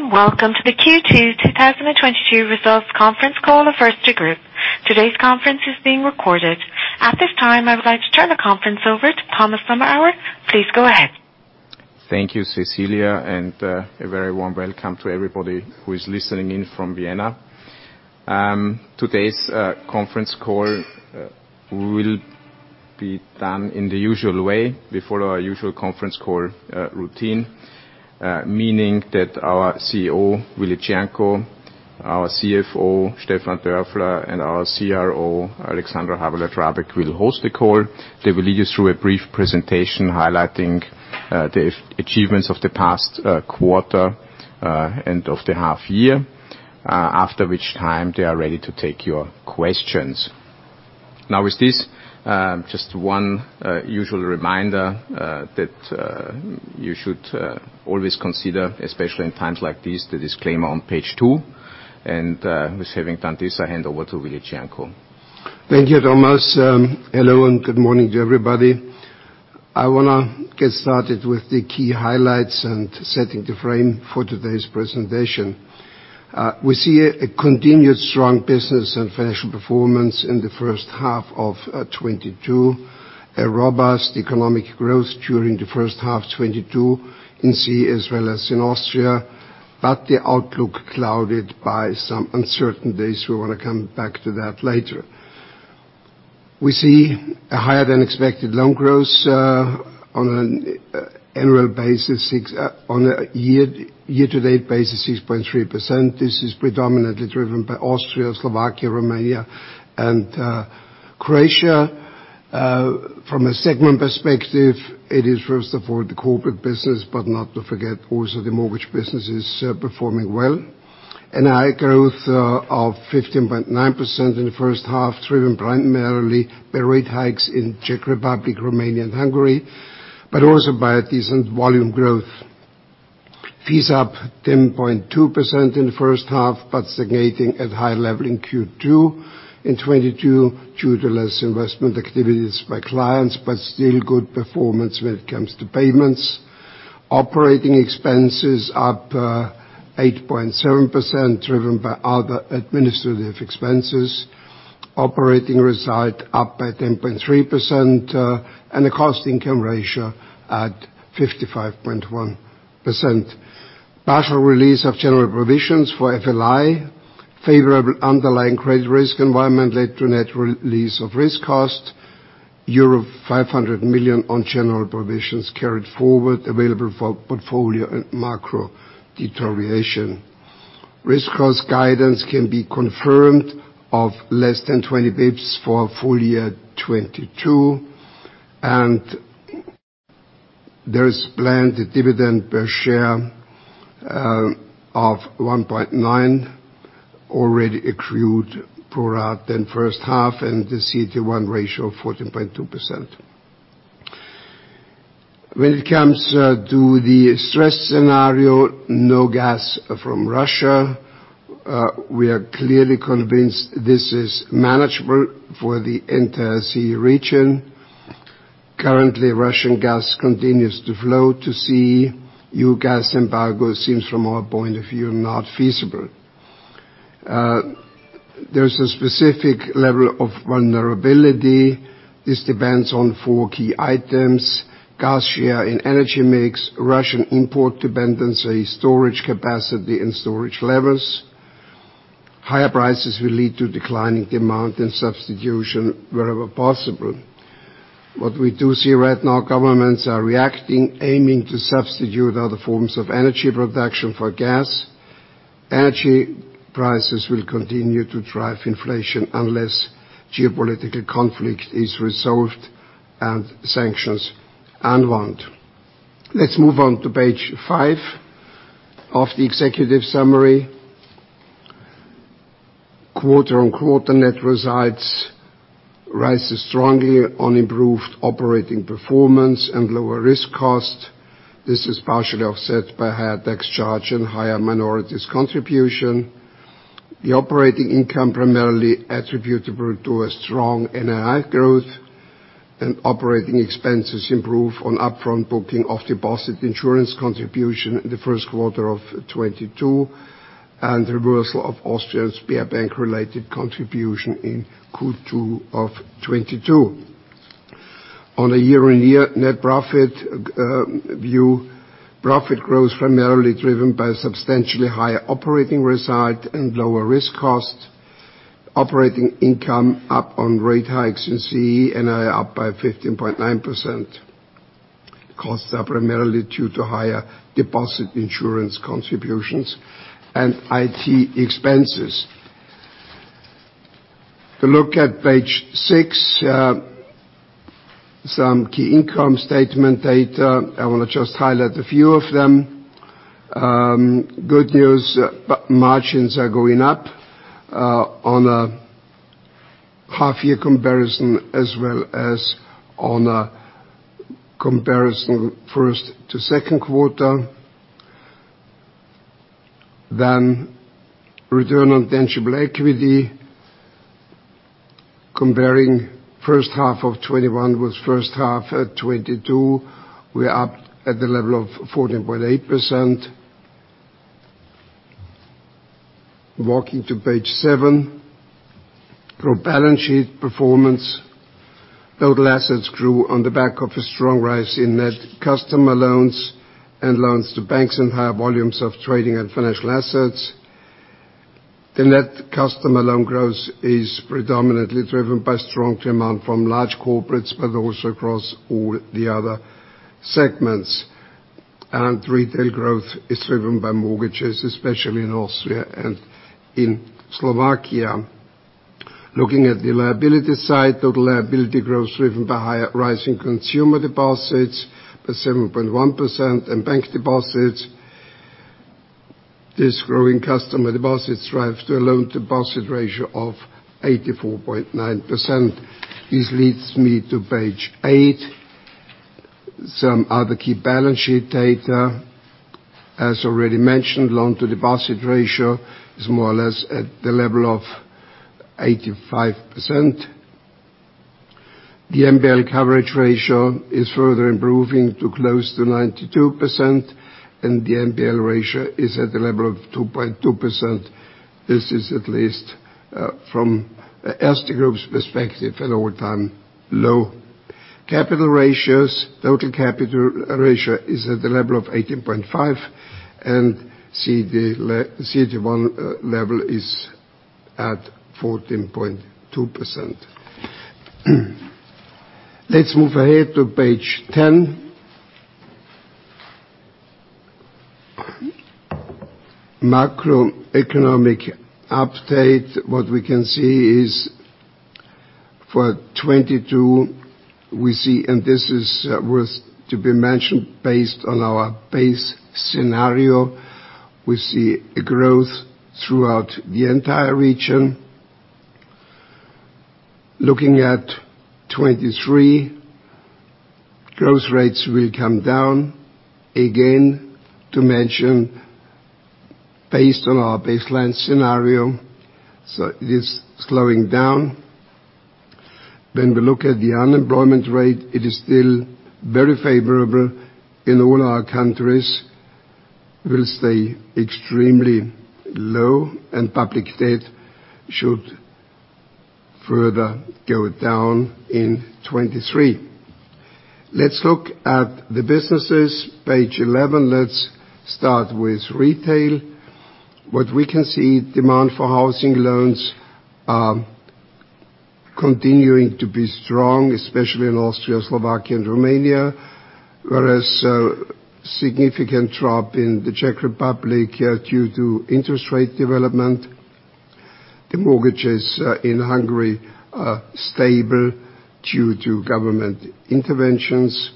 Good day and welcome to the Q2 2022 results conference call of Erste Group. Today's conference is being recorded. At this time, I would like to turn the conference over to Thomas Sommerauer. Please go ahead. Thank you, Cecilia, and a very warm welcome to everybody who is listening in from Vienna. Today's conference call will be done in the usual way. We follow our usual conference call routine, meaning that our CEO, Willi Cernko, our CFO, Stefan Dörfler, and our CRO, Alexandra Habeler-Drabek, will host the call. They will lead us through a brief presentation highlighting the achievements of the past quarter and of the half year, after which time they are ready to take your questions. Now, with this, just one usual reminder that you should always consider, especially in times like these, the disclaimer on page two. With having done this, I hand over to Willi Cernko. Thank you, Thomas. Hello, and good morning to everybody. I wanna get started with the key highlights and setting the frame for today's presentation. We see a continued strong business and financial performance in the first half of 2022. A robust economic growth during the first half 2022 in CEE as well as in Austria, but the outlook clouded by some uncertainties. We wanna come back to that later. We see a higher-than-expected loan growth on a year-to-date basis, 6.3%. This is predominantly driven by Austria, Slovakia, Romania and Croatia. From a segment perspective, it is first for the corporate business, but not to forget also the mortgage business is performing well. NII growth of 15.9% in the first half, driven primarily by rate hikes in Czech Republic, Romania and Hungary, but also by a decent volume growth. Fees up 10.2% in the first half, but stagnating at high level in Q2 in 2022 due to less investment activities by clients, but still good performance when it comes to payments. Operating expenses up 8.7%, driven by other administrative expenses. Operating result up at 10.3%, and the cost income ratio at 55.1%. Partial release of general provisions for FLI. Favorable underlying credit risk environment led to a net release of risk cost. Euro 500 million on general provisions carried forward available for portfolio and macro deterioration. Risk cost guidance can be confirmed of less than 20 basis points for full year 2022. There is planned dividend per share of 1.9, already accrued throughout the first half, and the CET1 ratio 14.2%. When it comes to the stress scenario, no gas from Russia, we are clearly convinced this is manageable for the entire CEE region. Currently, Russian gas continues to flow to CEE. EU gas embargo seems from our point of view not feasible. There's a specific level of vulnerability. This depends on four key items, gas share in energy mix, Russian import dependency, storage capacity and storage levels. Higher prices will lead to declining demand and substitution wherever possible. What we do see right now, governments are reacting, aiming to substitute other forms of energy production for gas. Energy prices will continue to drive inflation unless geopolitical conflict is resolved and sanctions unwound. Let's move on to page five of the Executive Summary. Quarter-on-quarter net results rises strongly on improved operating performance and lower risk cost. This is partially offset by higher tax charge and higher minorities contribution. The operating income primarily attributable to a strong NII growth and operating expenses improve on upfront booking of deposit insurance contribution in the first quarter of 2022 and reversal of Austria's savings bank-related contribution in Q2 of 2022. On a year-on-year net profit view, profit growth primarily driven by substantially higher operating result and lower risk cost. Operating income up on rate hikes in CEE, NII up by 15.9%. Costs are primarily due to higher deposit insurance contributions and IT expenses. If you look at page six, some key income statement data. I want to just highlight a few of them. Good news, margins are going up on a half-year comparison as well as on a comparison first to second quarter. Return on tangible equity. Comparing first half of 2021 with first half of 2022, we are up at the level of 14.8%. Walking to page seven. Strong balance sheet performance. Total assets grew on the back of a strong rise in net customer loans and loans to banks and higher volumes of trading and financial assets. The net customer loan growth is predominantly driven by strong demand from large corporates, but also across all the other segments. Retail growth is driven by mortgages, especially in Austria and in Slovakia. Looking at the liability side, total liability growth is driven by rising customer deposits by 7.1% and bank deposits. This growing customer deposits drives the loan-to-deposit ratio of 84.9%. This leads me to page eight. Some other key balance sheet data. As already mentioned, loan-to-deposit ratio is more or less at the level of 85%. The NPL coverage ratio is further improving to close to 92%, and the NPL ratio is at the level of 2.2%. This is at least from Erste Group's perspective, an all-time low. Capital ratios. Total capital ratio is at the level of 18.5, and CET1 level is at 14.2%. Let's move ahead to page 10. Macroeconomic update. What we can see is for 2022, we see, and this is worth to be mentioned, based on our base scenario. We see growth throughout the entire region. Looking at 2023, growth rates will come down. Again, to mention, based on our baseline scenario, it is slowing down. When we look at the unemployment rate, it is still very favorable in all our countries. Will stay extremely low and public debt should further go down in 2023. Let's look at the businesses, page 11. Let's start with retail. What we can see, demand for housing loans are continuing to be strong, especially in Austria, Slovakia and Romania. Whereas a significant drop in the Czech Republic due to interest rate development. The mortgages in Hungary are stable due to government interventions.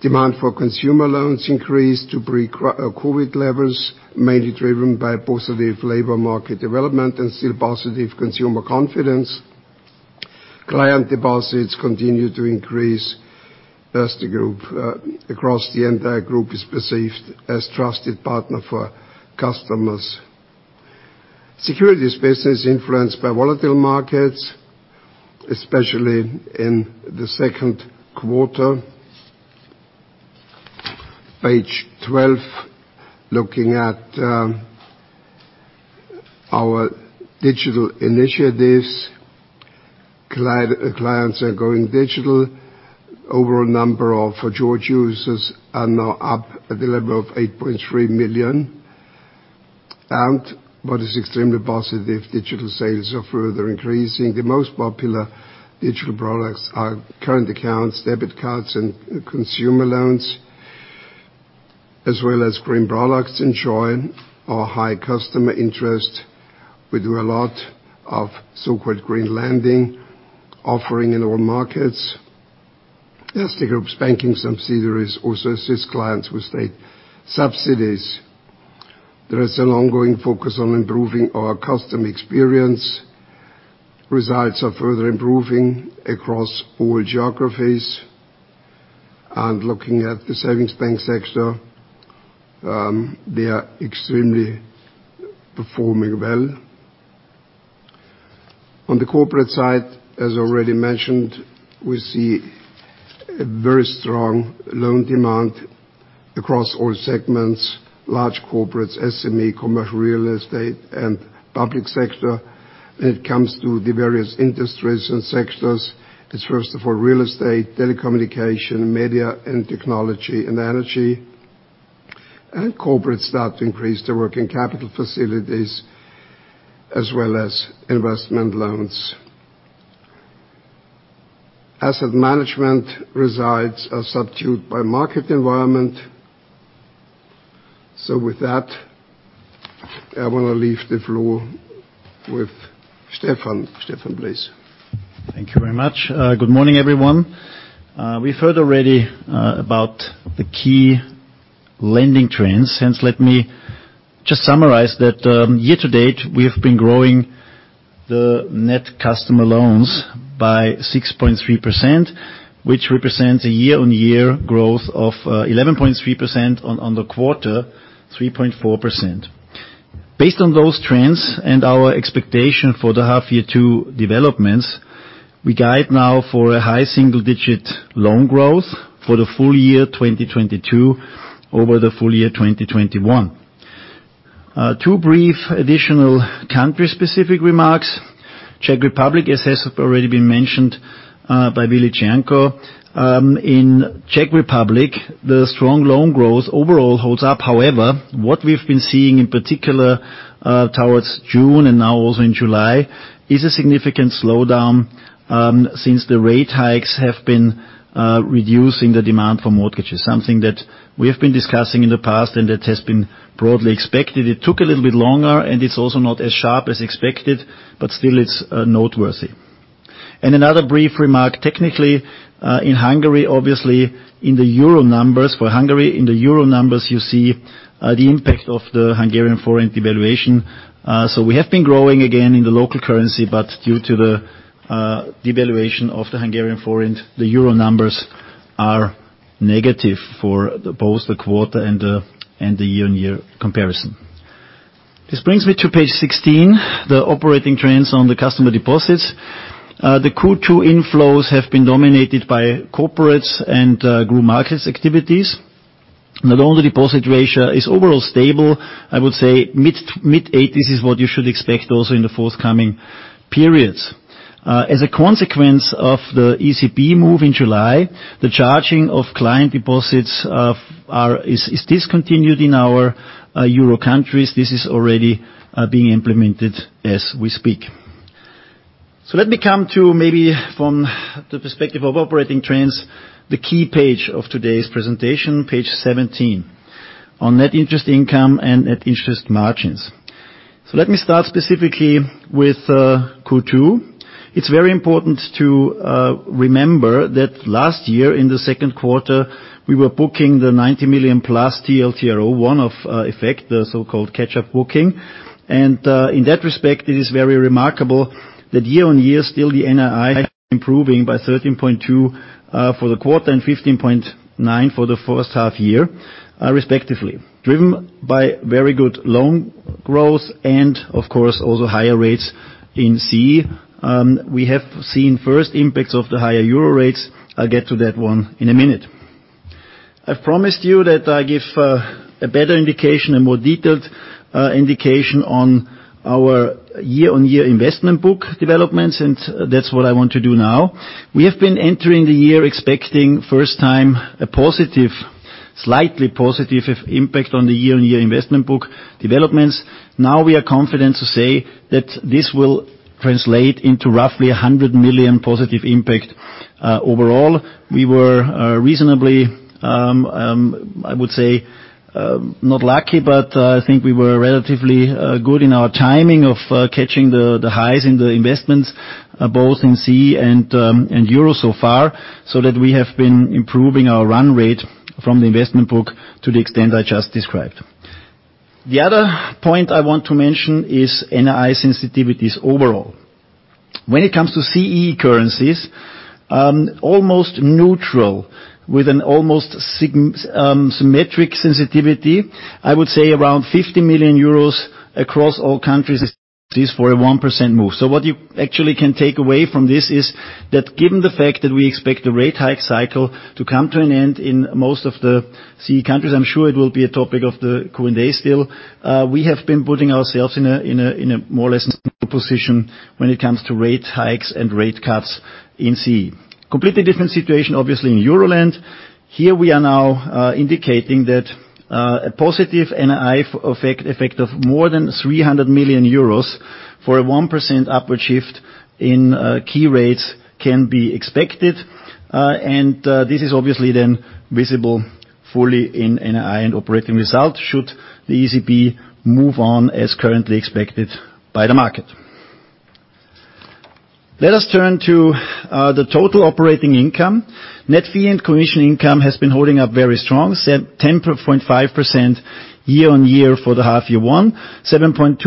Demand for consumer loans increased to pre-COVID levels, mainly driven by positive labor market development and still positive consumer confidence. Client deposits continue to increase as the group across the entire group is perceived as trusted partner for customers. Securities business influenced by volatile markets, especially in the second quarter. Page 12, looking at our digital initiatives. Clients are going digital. Overall number of George users are now up at the level of 8.3 million. What is extremely positive, digital sales are further increasing. The most popular digital products are current accounts, debit cards and consumer loans, as well as green products enjoy a high customer interest. We do a lot of so-called green lending offering in all markets. Erste Group's banking subsidiaries also assist clients with state subsidies. There is an ongoing focus on improving our customer experience. Results are further improving across all geographies. Looking at the savings bank sector, they are extremely performing well. On the corporate side, as already mentioned, we see a very strong loan demand across all segments, large corporates, SME, commercial real estate and public sector. When it comes to the various industries and sectors, it's first of all real estate, telecommunication, media and technology and energy. Corporate start to increase their working capital facilities as well as investment loans. Asset management results are subdued by market environment. With that, I wanna leave the floor with Stefan. Stefan, please. Thank you very much. Good morning, everyone. We've heard already about the key lending trends. Let me just summarize that, year-to-date, we have been growing the net customer loans by 6.3%, which represents a year-on-year growth of 11.3% on the quarter, 3.4%. Based on those trends and our expectation for the H2 developments, we guide now for a high single-digit loan growth for the full year 2022 over the full year 2021. To brief additional country-specific remarks. Czech Republic, as has already been mentioned by Willi Cernko. In Czech Republic, the strong loan growth overall holds up. However, what we've been seeing in particular towards June and now also in July, is a significant slowdown, since the rate hikes have been reducing the demand for mortgages, something that we have been discussing in the past and that has been broadly expected. It took a little bit longer, and it's also not as sharp as expected, but still it's noteworthy. Another brief remark, technically, in Hungary, obviously in the euro numbers for Hungary, you see the impact of the Hungarian forint devaluation. So we have been growing again in the local currency, but due to the devaluation of the Hungarian forint, the euro numbers are negative for both the quarter and the year-on-year comparison. This brings me to page 16, the operating trends on the customer deposits. The Q2 inflows have been dominated by corporates and Group Markets activities. The loan-to-deposit ratio is overall stable. I would say mid- to mid-eighties is what you should expect also in the forthcoming periods. As a consequence of the ECB move in July, the charging of client deposits is discontinued in our euro countries. This is already being implemented as we speak. Let me come to maybe from the perspective of operating trends, the key page of today's presentation, page 17, on net interest income and net interest margins. Let me start specifically with Q2. It's very important to remember that last year in the second quarter, we were booking the 90 million+ TLTRO one-off effect, the so-called catch-up booking. In that respect, it is very remarkable that year-on-year, still the NII improving by 13.2% for the quarter and 15.9% for the first half year, respectively. Driven by very good loan growth and of course, also higher rates in CEE. We have seen first impacts of the higher euro rates. I'll get to that one in a minute. I've promised you that I give a better indication, a more detailed indication on our year-on-year investment book developments, and that's what I want to do now. We have been entering the year expecting first time a positive, slightly positive impact on the year-on-year investment book developments. Now we are confident to say that this will translate into roughly 100 million positive impact. Overall, we were reasonably, I would say, not lucky, but I think we were relatively good in our timing of catching the highs in the investments, both in CEE and euro so far, so that we have been improving our run rate from the investment book to the extent I just described. The other point I want to mention is NII sensitivities overall. When it comes to CEE currencies, almost neutral with an almost symmetric sensitivity, I would say around 50 million euros across all countries is for a 1% move. What you actually can take away from this is that given the fact that we expect the rate hike cycle to come to an end in most of the CEE countries, I'm sure it will be a topic of the Q&A still. We have been putting ourselves in a more or less neutral position when it comes to rate hikes and rate cuts in CEE. Completely different situation, obviously, in Euroland. Here we are now indicating that a positive NII effect of more than 300 million euros for a 1% upward shift in key rates can be expected. This is obviously then visible fully in NII and operating results should the ECB move on as currently expected by the market. Let us turn to the total operating income. Net fee and commission income has been holding up very strong, 10.5% year-on-year for the half year one, 7.2%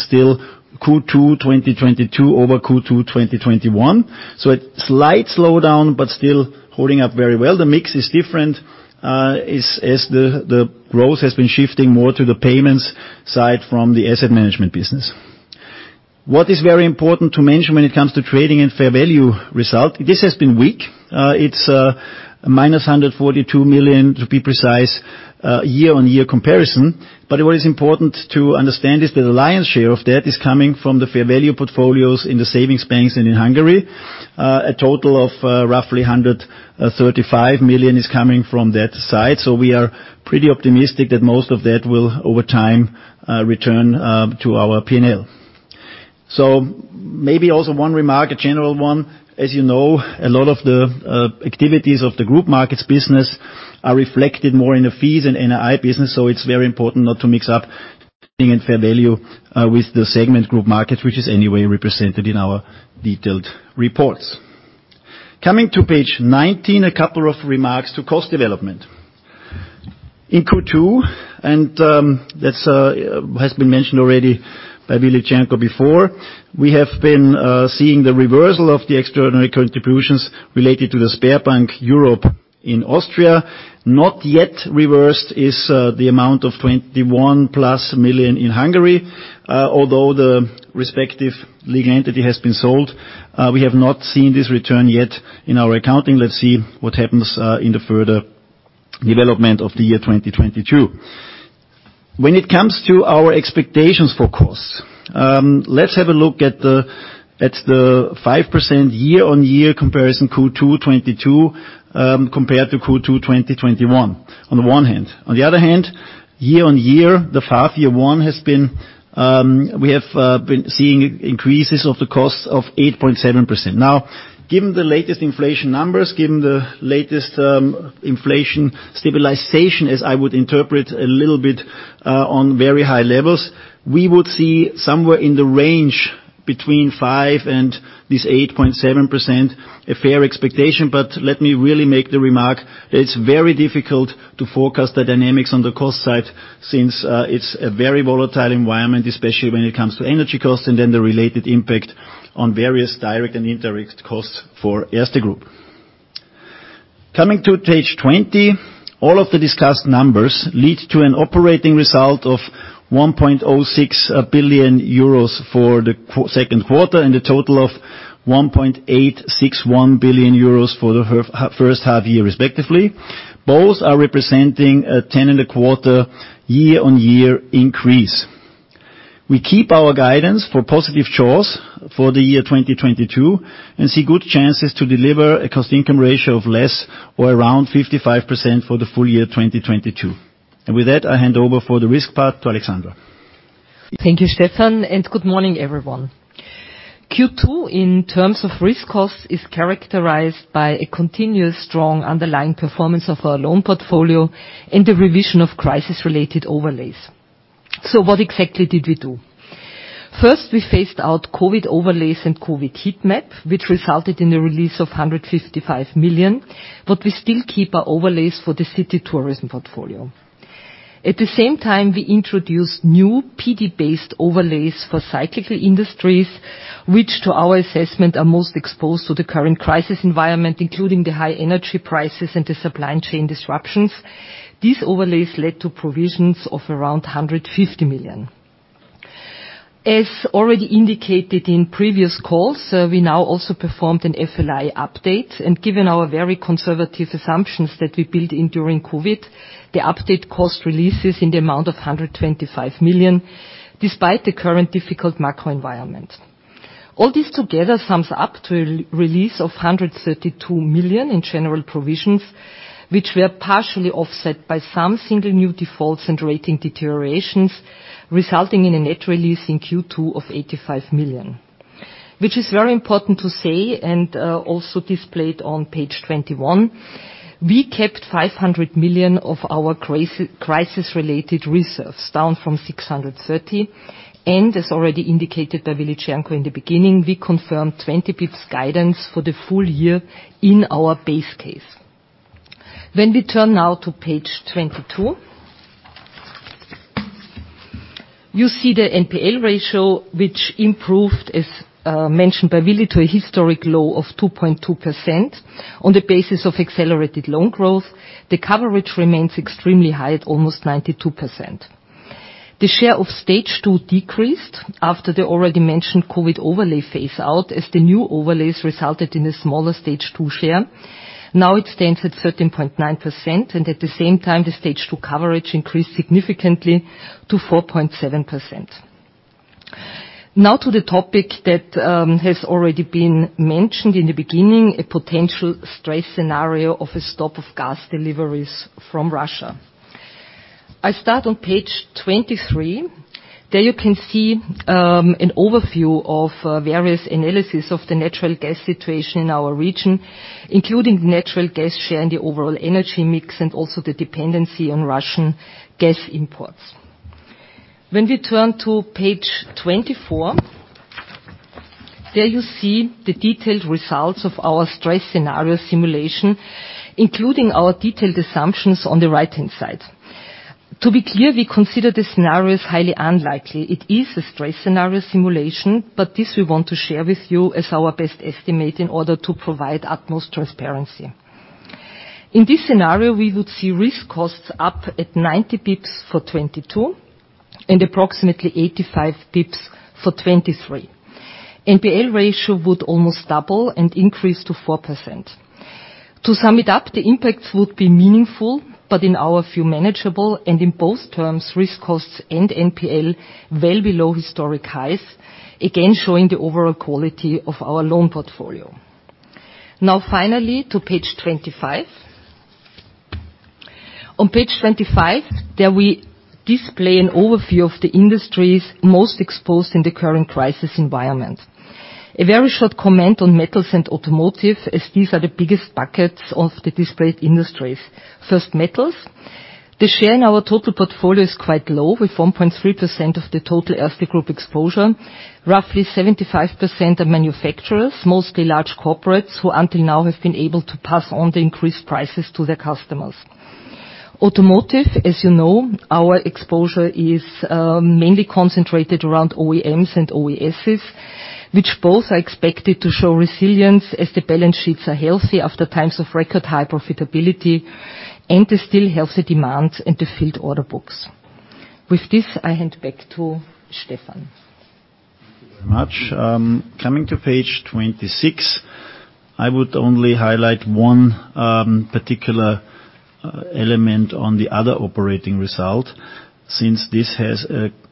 still Q2 2022 over Q2 2021. A slight slowdown, but still holding up very well. The mix is different, as the growth has been shifting more to the payments side from the asset management business. What is very important to mention when it comes to trading and fair value result, this has been weak. It's minus 142 million, to be precise, year-on-year comparison. What is important to understand is the lion's share of that is coming from the fair value portfolios in the savings banks and in Hungary. A total of roughly 135 million is coming from that side. We are pretty optimistic that most of that will, over time, return to our P&L. Maybe also one remark, a general one. As you know, a lot of the activities of the Group Markets business are reflected more in the fees and NII business. It's very important not to mix up trading and fair value with the segment Group Markets, which is anyway represented in our detailed reports. Coming to page 19, a couple of remarks to cost development. In Q2, that has been mentioned already by Willi Cernko before. We have been seeing the reversal of the extraordinary contributions related to the Sberbank Europe in Austria. Not yet reversed is the amount of 21+ million in Hungary, although the respective legal entity has been sold. We have not seen this return yet in our accounting. Let's see what happens in the further development of the year 2022. When it comes to our expectations for costs, let's have a look at the 5% year-on-year comparison Q2 2022 compared to Q2 2021, on the one hand. On the other hand, year-on-year, we have been seeing increases of the cost of 8.7%. Now, given the latest inflation numbers, given the latest inflation stabilization, as I would interpret a little bit, on very high levels, we would see somewhere in the range between 5% and 8.7% a fair expectation. Let me really make the remark, it's very difficult to forecast the dynamics on the cost side since it's a very volatile environment, especially when it comes to energy costs and then the related impact on various direct and indirect costs for Erste Group. Coming to page 20, all of the discussed numbers lead to an operating result of 1.06 billion euros for the second quarter and a total of 1.861 billion euros for the first half year respectively. Both are representing a 10.25 year-on-year increase. We keep our guidance for positive jaws for the year 2022 and see good chances to deliver a cost income ratio of less or around 55% for the full year 2022. With that, I hand over for the risk part to Alexandra. Thank you, Stefan, and good morning, everyone. Q2, in terms of risk costs, is characterized by a continuous strong underlying performance of our loan portfolio and the revision of crisis-related overlays. What exactly did we do? First, we phased out COVID overlays and COVID heat map, which resulted in the release of 155 million, but we still keep our overlays for the city tourism portfolio. At the same time, we introduced new PD-based overlays for cyclical industries, which to our assessment are most exposed to the current crisis environment, including the high energy prices and the supply chain disruptions. These overlays led to provisions of around 150 million. As already indicated in previous calls, we now also performed an FLI update. Given our very conservative assumptions that we built in during COVID, the updated cost releases in the amount of 125 million, despite the current difficult macro environment. All this together sums up to a release of 132 million in general provisions, which were partially offset by some single new defaults and rating deteriorations, resulting in a net release in Q2 of 85 million. Which is very important to say and also displayed on page 21, we kept 500 million of our crisis-related reserves, down from 630. As already indicated by Willi Cernko in the beginning, we confirmed 20 bps guidance for the full year in our base case. When we turn now to page 22 you see the NPL ratio, which improved, as mentioned by Willi, to a historic low of 2.2% on the basis of accelerated loan growth. The coverage remains extremely high at almost 92%. The share of Stage 2 decreased after the already mentioned COVID overlay phase out, as the new overlays resulted in a smaller Stage 2 share. Now it stands at 13.9%, and at the same time, the Stage 2 coverage increased significantly to 4.7%. Now to the topic that has already been mentioned in the beginning, a potential stress scenario of a stop of gas deliveries from Russia. I start on page 23. There you can see an overview of various analysis of the natural gas situation in our region, including natural gas share in the overall energy mix and also the dependency on Russian gas imports. When we turn to page 24, there you see the detailed results of our stress scenario simulation, including our detailed assumptions on the right-hand side. To be clear, we consider the scenarios highly unlikely. It is a stress scenario simulation, but this we want to share with you as our best estimate in order to provide utmost transparency. In this scenario, we would see risk costs up at 90 basis points for 2022 and approximately 85 basis points for 2023. NPL ratio would almost double and increase to 4%. To sum it up, the impacts would be meaningful, but in our view, manageable, and in both terms, risk costs and NPL well below historic highs, again, showing the overall quality of our loan portfolio. Now finally to page 25. On page 25, there we display an overview of the industries most exposed in the current crisis environment. A very short comment on metals and automotive, as these are the biggest buckets of the displayed industries. First, metals. The share in our total portfolio is quite low, with 1.3% of the total Erste Group exposure. Roughly 75% are manufacturers, mostly large corporates, who until now have been able to pass on the increased prices to their customers. Automotive, as you know, our exposure is mainly concentrated around OEMs and OES, which both are expected to show resilience as the balance sheets are healthy after times of record high profitability, and the still healthy demands in the filled order books. With this, I hand back to Stefan. Thank you very much. Coming to page 26, I would only highlight one particular element on the other operating result, since this has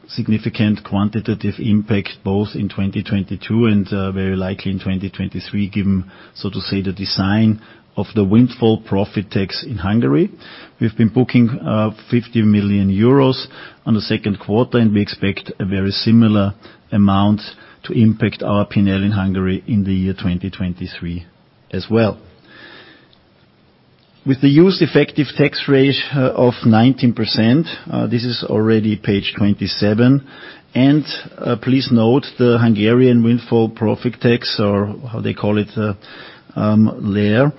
a significant quantitative impact, both in 2022 and very likely in 2023, given, so to say, the design of the windfall profit tax in Hungary. We've been booking 50 million euros in the second quarter, and we expect a very similar amount to impact our P&L in Hungary in the year 2023 as well. With the usual effective tax rate of 19%, this is already page 27. Please note the Hungarian windfall profit tax, or how they call it there,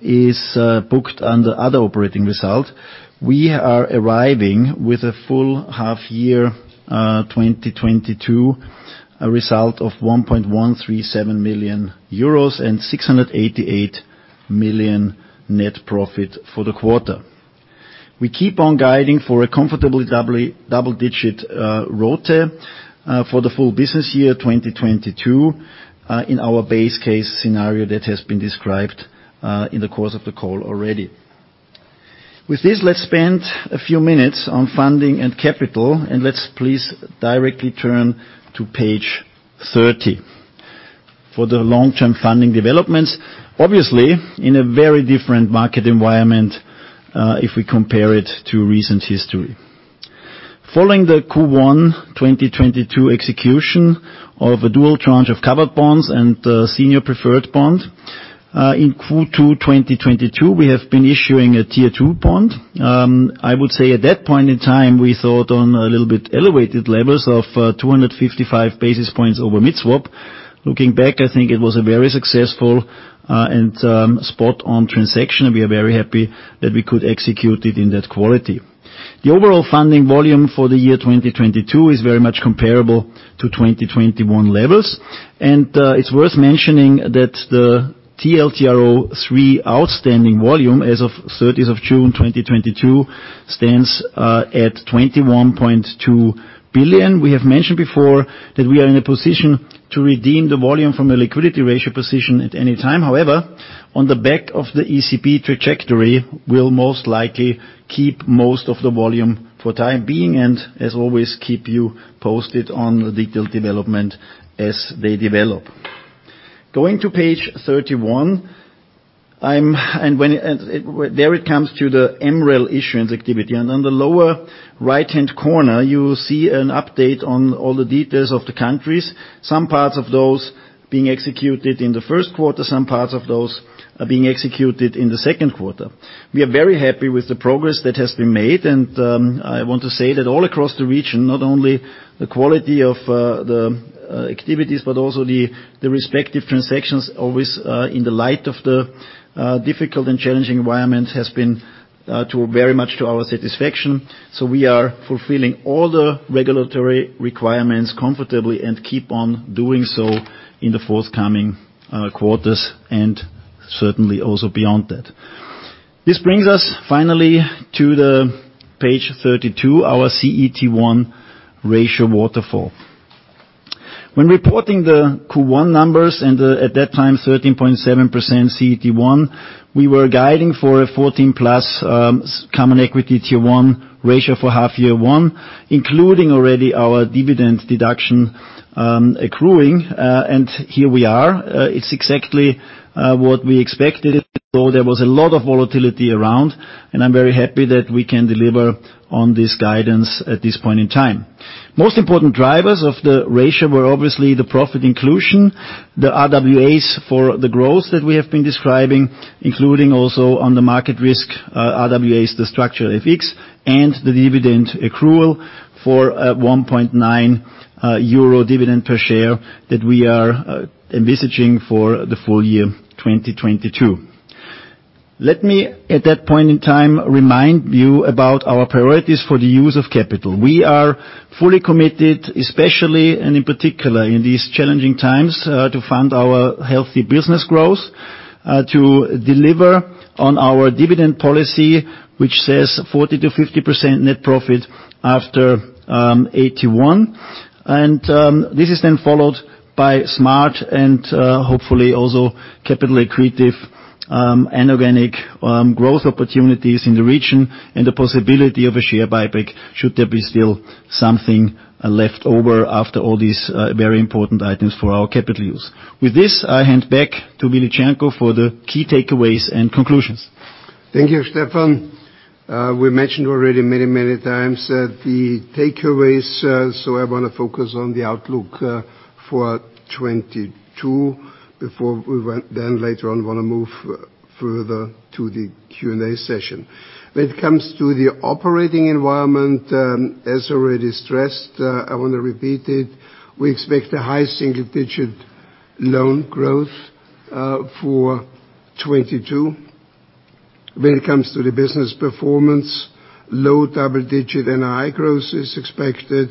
is booked under other operating results. We are arriving with a full half year 2022, a result of 1.137 billion euros and 688 million net profit for the quarter. We keep on guiding for a comfortable double-digit ROTE for the full business year 2022 in our base case scenario that has been described in the course of the call already. With this, let's spend a few minutes on funding and capital, and let's please directly turn to page 30 for the long-term funding developments. Obviously, in a very different market environment if we compare it to recent history. Following the Q1 2022 execution of a dual tranche of covered bonds and senior preferred bond in Q2 2022, we have been issuing a Tier 2 bond. I would say at that point in time, we thought on a little bit elevated levels of 255 basis points over Mid-Swap. Looking back, I think it was a very successful and spot on transaction. We are very happy that we could execute it in that quality. The overall funding volume for the year 2022 is very much comparable to 2021 levels. It's worth mentioning that the TLTRO III outstanding volume as of 30th of June 2022 stands at 21.2 billion. We have mentioned before that we are in a position to redeem the volume from a liquidity ratio position at any time. However, on the back of the ECB trajectory, we'll most likely keep most of the volume for time being, and as always, keep you posted on the detailed development as they develop. Going to page 31, when it comes to the MREL issuance activity. On the lower right-hand corner, you see an update on all the details of the countries, some parts of those being executed in the first quarter, some parts of those are being executed in the second quarter. We are very happy with the progress that has been made, and I want to say that all across the region, not only the quality of the activities, but also the respective transactions, always in the light of the difficult and challenging environment, has been very much to our satisfaction. We are fulfilling all the regulatory requirements comfortably and keep on doing so in the forthcoming quarters and certainly also beyond that. This brings us finally to the page 32, our CET1 ratio waterfall. When reporting the Q1 numbers and, at that time, 13.7% CET1, we were guiding for a 14+ Common Equity Tier 1 ratio for H1, including already our dividend deduction accruing. Here we are. It's exactly what we expected, although there was a lot of volatility around, and I'm very happy that we can deliver on this guidance at this point in time. Most important drivers of the ratio were obviously the profit inclusion, the RWAs for the growth that we have been describing, including also on the market risk RWAs, the structural FX, and the dividend accrual for 1.9 euro dividend per share that we are envisaging for the full year 2022. Let me, at that point in time, remind you about our priorities for the use of capital. We are fully committed, especially and in particular in these challenging times, to fund our healthy business growth, to deliver on our dividend policy, which says 40%-50% net profit after AT1. This is then followed by smart and hopefully also capital accretive inorganic growth opportunities in the region and the possibility of a share buyback should there be still something left over after all these very important items for our capital use. With this, I hand back to Willi Cernko for the key takeaways and conclusions. Thank you, Stefan. We mentioned already many times that the takeaways. I wanna focus on the outlook for 2022, then later on wanna move further to the Q&A session. When it comes to the operating environment, as already stressed, I wanna repeat it, we expect a high single-digit- Loan growth for 2022. When it comes to the business performance, low double-digit NII growth is expected.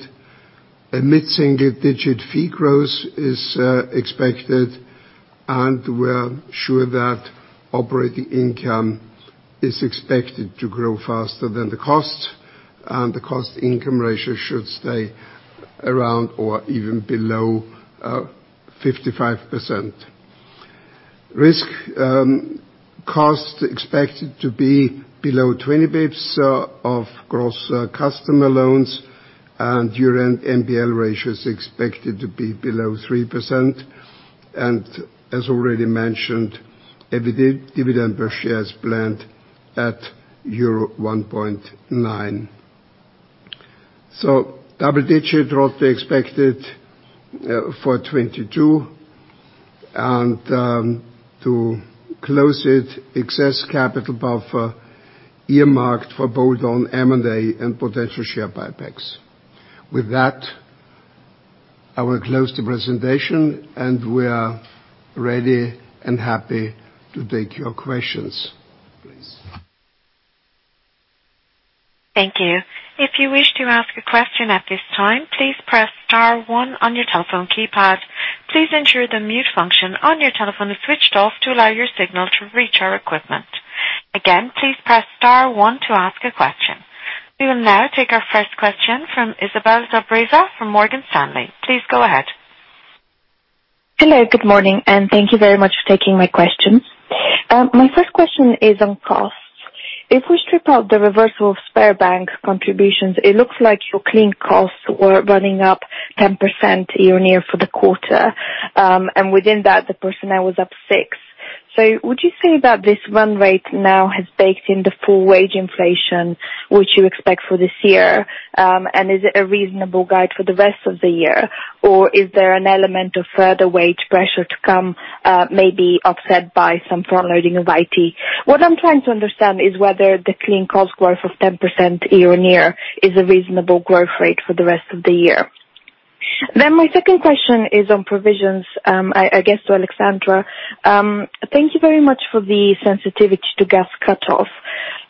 A mid-single digit fee growth is expected. We are sure that operating income is expected to grow faster than the cost. The cost-income ratio should stay around or even below 55%. Risk costs expected to be below 20 basis points of gross customer loans and year-end NPL ratio is expected to be below 3%. As already mentioned, dividend per share is planned at euro 1.9. Double-digit growth expected for 2022. To close it, excess capital buffer earmarked for bolt-on M&A and potential share buybacks. With that, I will close the presentation, and we are ready and happy to take your questions. Please. Thank you. If you wish to ask a question at this time, please press star one on your telephone keypad. Please ensure the mute function on your telephone is switched off to allow your signal to reach our equipment. Again, please press star one to ask a question. We will now take our first question from Izabel Dobreva from Morgan Stanley. Please go ahead. Hello, good morning, and thank you very much for taking my question. My first question is on costs. If we strip out the reversal of Sberbank contributions, it looks like your clean costs were running up 10% year-on-year for the quarter. And within that, the personnel was up 6%. Would you say that this run rate now has baked in the full wage inflation, which you expect for this year? And is it a reasonable guide for the rest of the year, or is there an element of further wage pressure to come, maybe offset by some front-loading of IT? What I'm trying to understand is whether the clean cost growth of 10% year-on-year is a reasonable growth rate for the rest of the year. My second question is on provisions, I guess to Alexandra. Thank you very much for the sensitivity to gas cutoff.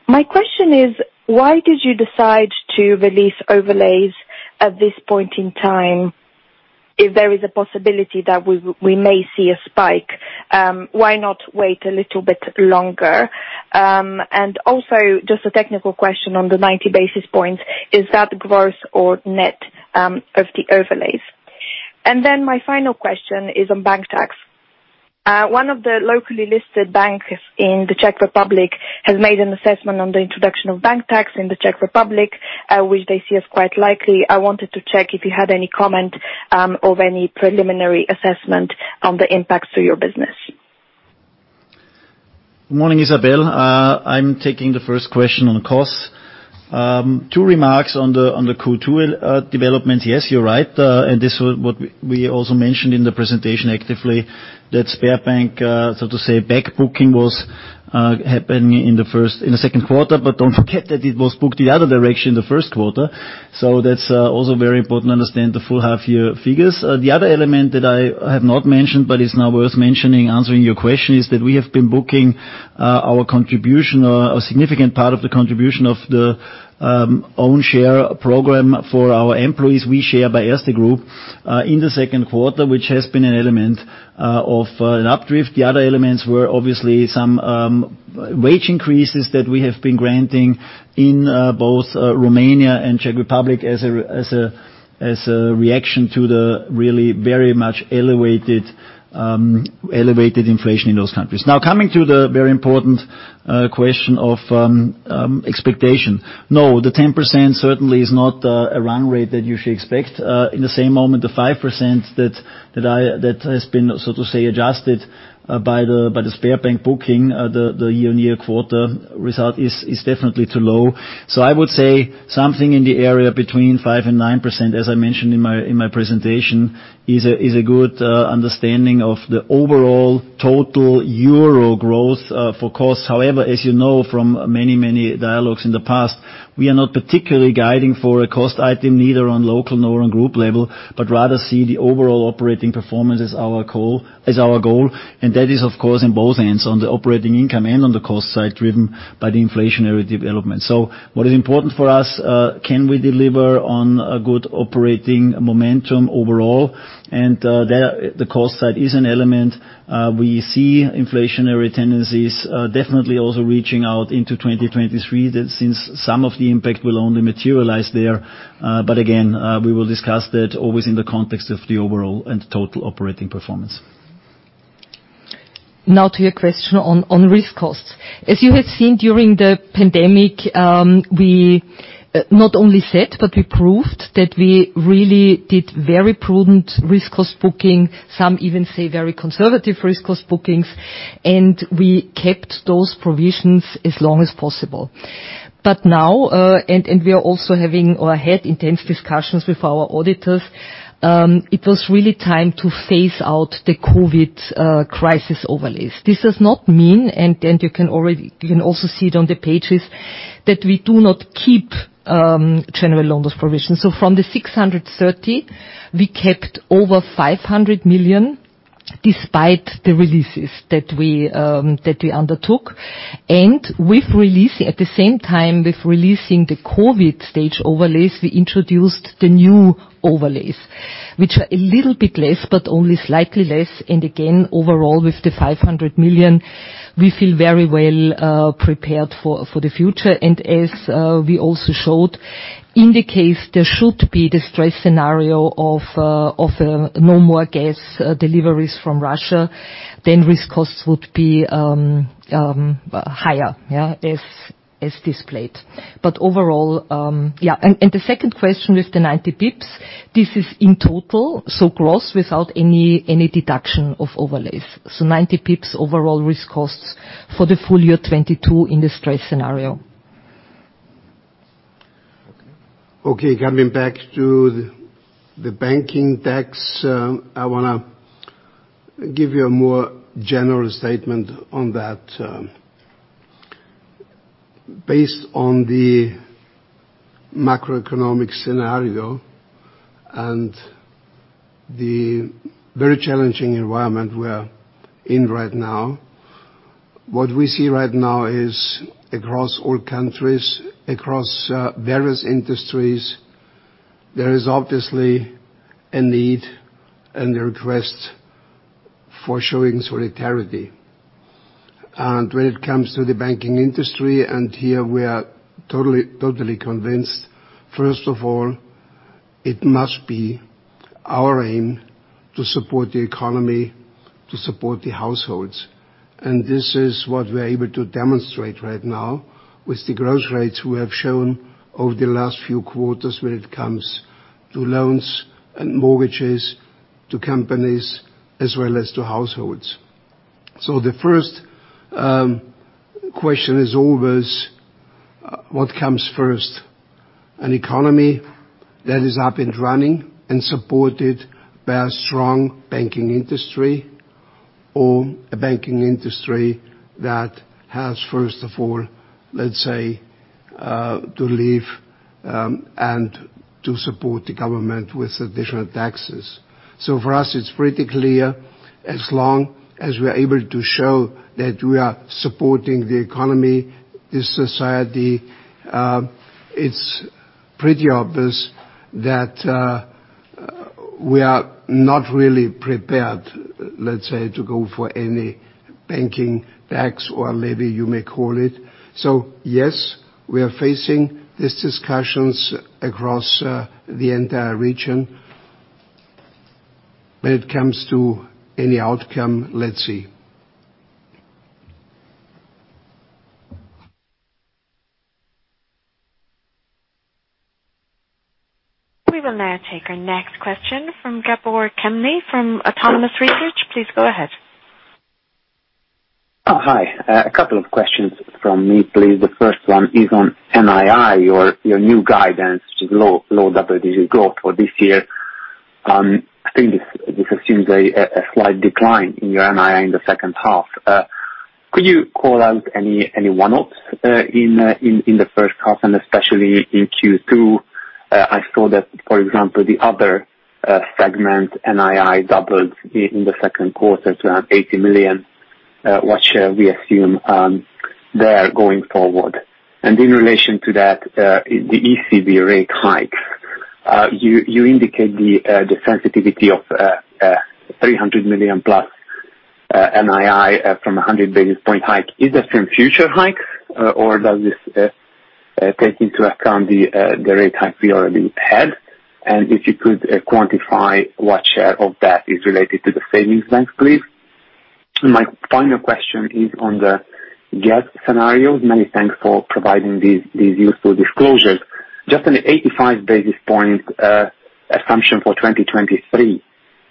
My question is, why did you decide to release overlays at this point in time if there is a possibility that we may see a spike? Why not wait a little bit longer? And also just a technical question on the 90 basis points. Is that gross or net, of the overlays? And then my final question is on bank tax. One of the locally listed banks in the Czech Republic has made an assessment on the introduction of bank tax in the Czech Republic, which they see as quite likely. I wanted to check if you had any comment, of any preliminary assessment on the impacts to your business. Morning, Izabel. I'm taking the first question on costs. Two remarks on the Q2 development. Yes, you're right, and this is what we also mentioned in the presentation actively, that Sberbank so to say back booking was happening in the second quarter, but don't forget that it was booked the other direction in the first quarter. That's also very important to understand the full half-year figures. The other element that I have not mentioned is now worth mentioning, answering your question, is that we have been booking our contribution or a significant part of the contribution of the own share program for our employees We Share by Erste Group in the second quarter, which has been an element of an up drift. The other elements were obviously some wage increases that we have been granting in both Romania and Czech Republic as a reaction to the really very much elevated inflation in those countries. Now coming to the very important question of expectation. No, the 10% certainly is not a run rate that you should expect. In the same moment, the 5% that has been, so to say, adjusted by the Sberbank booking, the year-on-year quarter result is definitely too low. I would say something in the area between 5%-9%, as I mentioned in my presentation, is a good understanding of the overall total euro growth for costs. However, as you know from many, many dialogues in the past, we are not particularly guiding for a cost item, neither on local nor on group level, but rather see the overall operating performance as our goal. That is, of course, in both ends, on the operating income and on the cost side, driven by the inflationary development. What is important for us, can we deliver on a good operating momentum overall? There, the cost side is an element. We see inflationary tendencies, definitely also reaching out into 2023 that since some of the impact will only materialize there. But again, we will discuss that always in the context of the overall and total operating performance. Now to your question on risk costs. As you have seen during the pandemic, we not only said, but we proved that we really did very prudent risk cost booking. Some even say very conservative risk cost bookings, and we kept those provisions as long as possible. Now, we are also having or had intense discussions with our auditors. It was really time to phase out the COVID crisis overlays. This does not mean, you can also see it on the pages, that we do not keep general loan loss provision. From the 630 million, we kept over 500 million. Despite the releases that we undertook. At the same time, with releasing the COVID stage overlays, we introduced the new overlays, which are a little bit less, but only slightly less. Again, overall, with the 500 million, we feel very well prepared for the future. As we also showed, in the case there should be the stress scenario of no more gas deliveries from Russia, then risk costs would be higher, yeah, as displayed. But overall. Yeah. The second question with the 90 basis points, this is in total, so gross, without any deduction of overlays. 90 basis points overall risk costs for the full year 2022 in the stress scenario. Okay. Coming back to the bank tax, I wanna give you a more general statement on that. Based on the macroeconomic scenario and the very challenging environment we're in right now, what we see right now is across all countries, various industries, there is obviously a need and a request for showing solidarity. When it comes to the banking industry, here we are totally convinced, first of all, it must be our aim to support the economy, to support the households. This is what we're able to demonstrate right now with the growth rates we have shown over the last few quarters when it comes to loans and mortgages to companies as well as to households. The first question is always, what comes first? An economy that is up and running and supported by a strong banking industry, or a banking industry that has, first of all, let's say, to live, and to support the government with additional taxes. For us, it's pretty clear, as long as we are able to show that we are supporting the economy, the society, it's pretty obvious that, we are not really prepared, let's say, to go for any bank tax or maybe you may call it. Yes, we are facing these discussions across the entire region. When it comes to any outcome, let's see. We will now take our next question from Gabor Kemeny from Autonomous Research. Please go ahead. Hi. A couple of questions from me, please. The first one is on NII, your new guidance, which is low double-digit growth for this year. I think this assumes a slight decline in your NII in the second half. Could you call out any one-offs in the first half, and especially in Q2? I saw that, for example, the other segment NII doubled in the second quarter to 80 million, what should we assume there going forward? In relation to that, the ECB rate hikes, you indicate the sensitivity of 300 million+ NII from a 100 basis point hike. Is that from future hikes, or does this take into account the rate hike we already had? If you could quantify what share of that is related to the savings banks, please. My final question is on the gas scenario. Many thanks for providing these useful disclosures. Just on the 85 basis points assumption for 2023,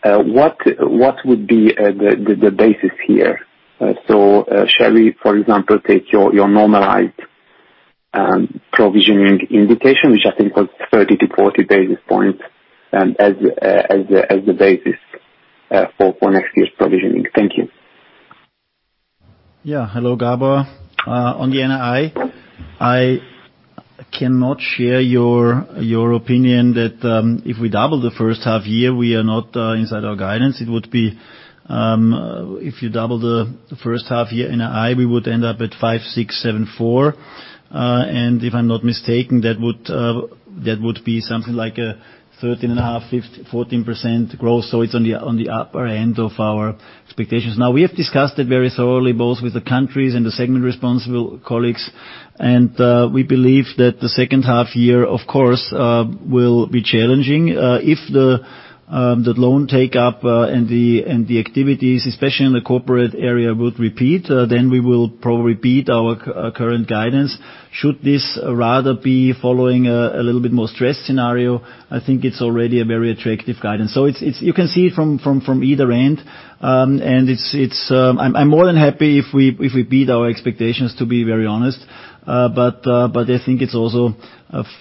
what would be the basis here? Shall we, for example, take your normalized provisioning indication, which I think was 30-40 basis points, as the basis for next year's provisioning? Thank you. Hello, Gabor. On the NII, I cannot share your opinion that if we double the first half year, we are not inside our guidance. It would be if you double the first half year NII, we would end up at 5,674. If I'm not mistaken, that would be something like a 13.5%-14% growth. It's on the upper end of our expectations. Now, we have discussed it very thoroughly, both with the countries and the segment responsible colleagues. We believe that the second half year, of course, will be challenging. If the loan take-up and the activities, especially in the corporate area, would repeat, then we will probably beat our current guidance. Should this rather be following a little bit more stress scenario, I think it's already a very attractive guidance. It's. You can see it from either end. It's. I'm more than happy if we beat our expectations, to be very honest. I think it's also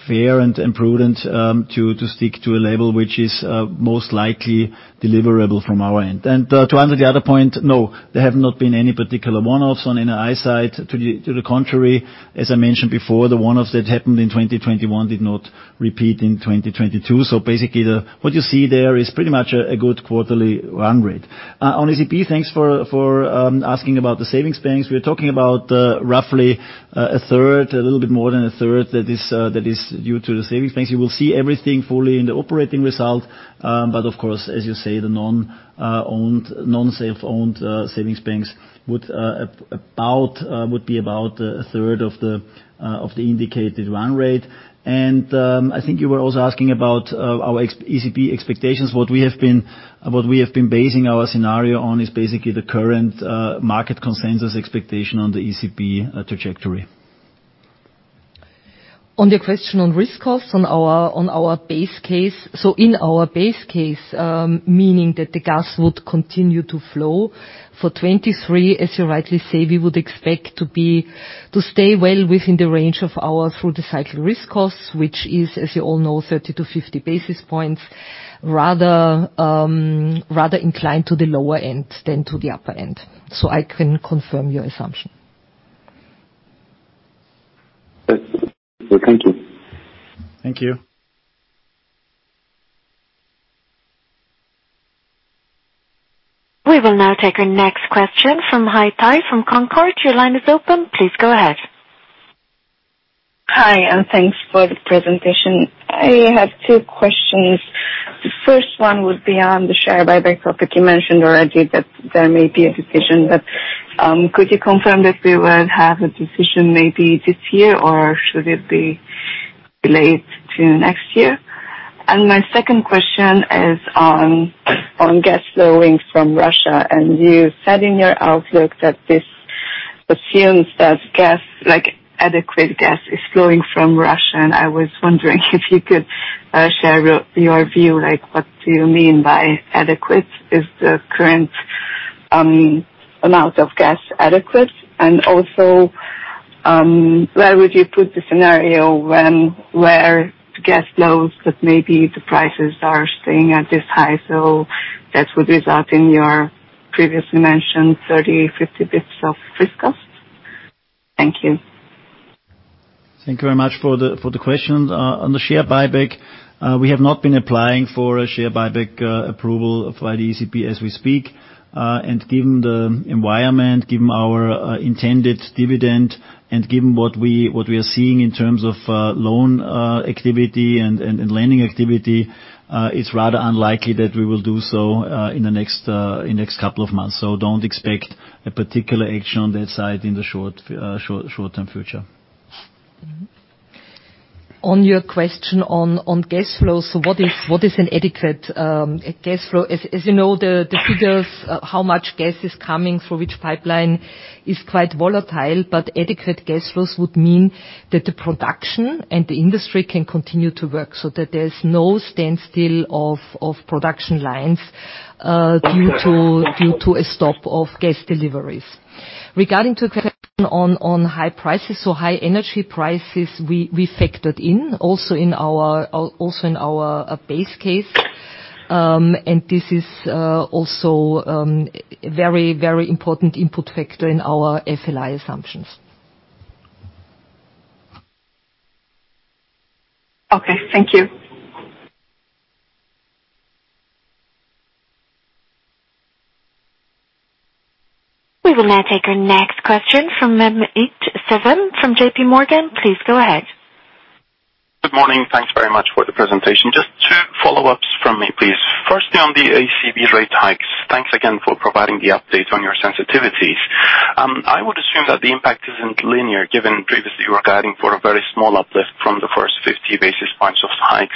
fair and prudent to stick to a level which is most likely deliverable from our end. To answer the other point, no, there have not been any particular one-offs on NII side. To the contrary, as I mentioned before, the one-offs that happened in 2021 did not repeat in 2022. Basically what you see there is pretty much a good quarterly run rate. On ECB, thanks for asking about the savings banks. We are talking about roughly a third, a little bit more than a third that is due to the savings banks. You will see everything fully in the operating result, but of course, as you say, the non-owned, non-SAFE-owned savings banks would be about a third of the indicated run rate. I think you were also asking about our ECB expectations. What we have been basing our scenario on is basically the current market consensus expectation on the ECB trajectory. On the question on risk costs on our base case. In our base case, meaning that the gas would continue to flow for 2023, as you rightly say, we would expect to stay well within the range of our through the cycle risk costs, which is, as you all know, 30-50 basis points, rather inclined to the lower end than to the upper end. I can confirm your assumption. Thank you. Thank you. We will now take our next question from Haitai from Concorde. Your line is open. Please go ahead. Hi, thanks for the presentation. I have two questions. The first one would be on the share buyback topic. You mentioned already that there may be a decision, but could you confirm that we will have a decision maybe this year, or should it be delayed to next year? My second question is on gas flowing from Russia. You said in your outlook that this assumes that gas, like adequate gas, is flowing from Russia. I was wondering if you could share your view, like what do you mean by adequate? Is the current amount of gas adequate? Also, where would you put the scenario where gas flows, but maybe the prices are staying at this high, so that would result in your previously mentioned 30-50 basis points of risk cost? Thank you. Thank you very much for the questions. On the share buyback, we have not been applying for a share buyback approval via the ECB as we speak. Given the environment, given our intended dividend and given what we are seeing in terms of loan activity and lending activity, it's rather unlikely that we will do so in the next couple of months. Don't expect a particular action on that side in the short-term future. On your question on gas flows, what is an adequate gas flow? As you know, the figures, how much gas is coming through which pipeline is quite volatile, but adequate gas flows would mean that the production and the industry can continue to work so that there's no standstill of production lines due to a stop of gas deliveries. Regarding the question on high prices, so high energy prices we factored in also in our base case. This is also very important input factor in our FLI assumptions. Okay. Thank you. We will now take our next question from Mehmet Sevim from JP Morgan. Please go ahead. Good morning. Thanks very much for the presentation. Just two follow-ups from me, please. Firstly, on the ECB rate hikes. Thanks again for providing the update on your sensitivities. I would assume that the impact isn't linear, given previously you were guiding for a very small uplift from the first 50 basis points of the hike.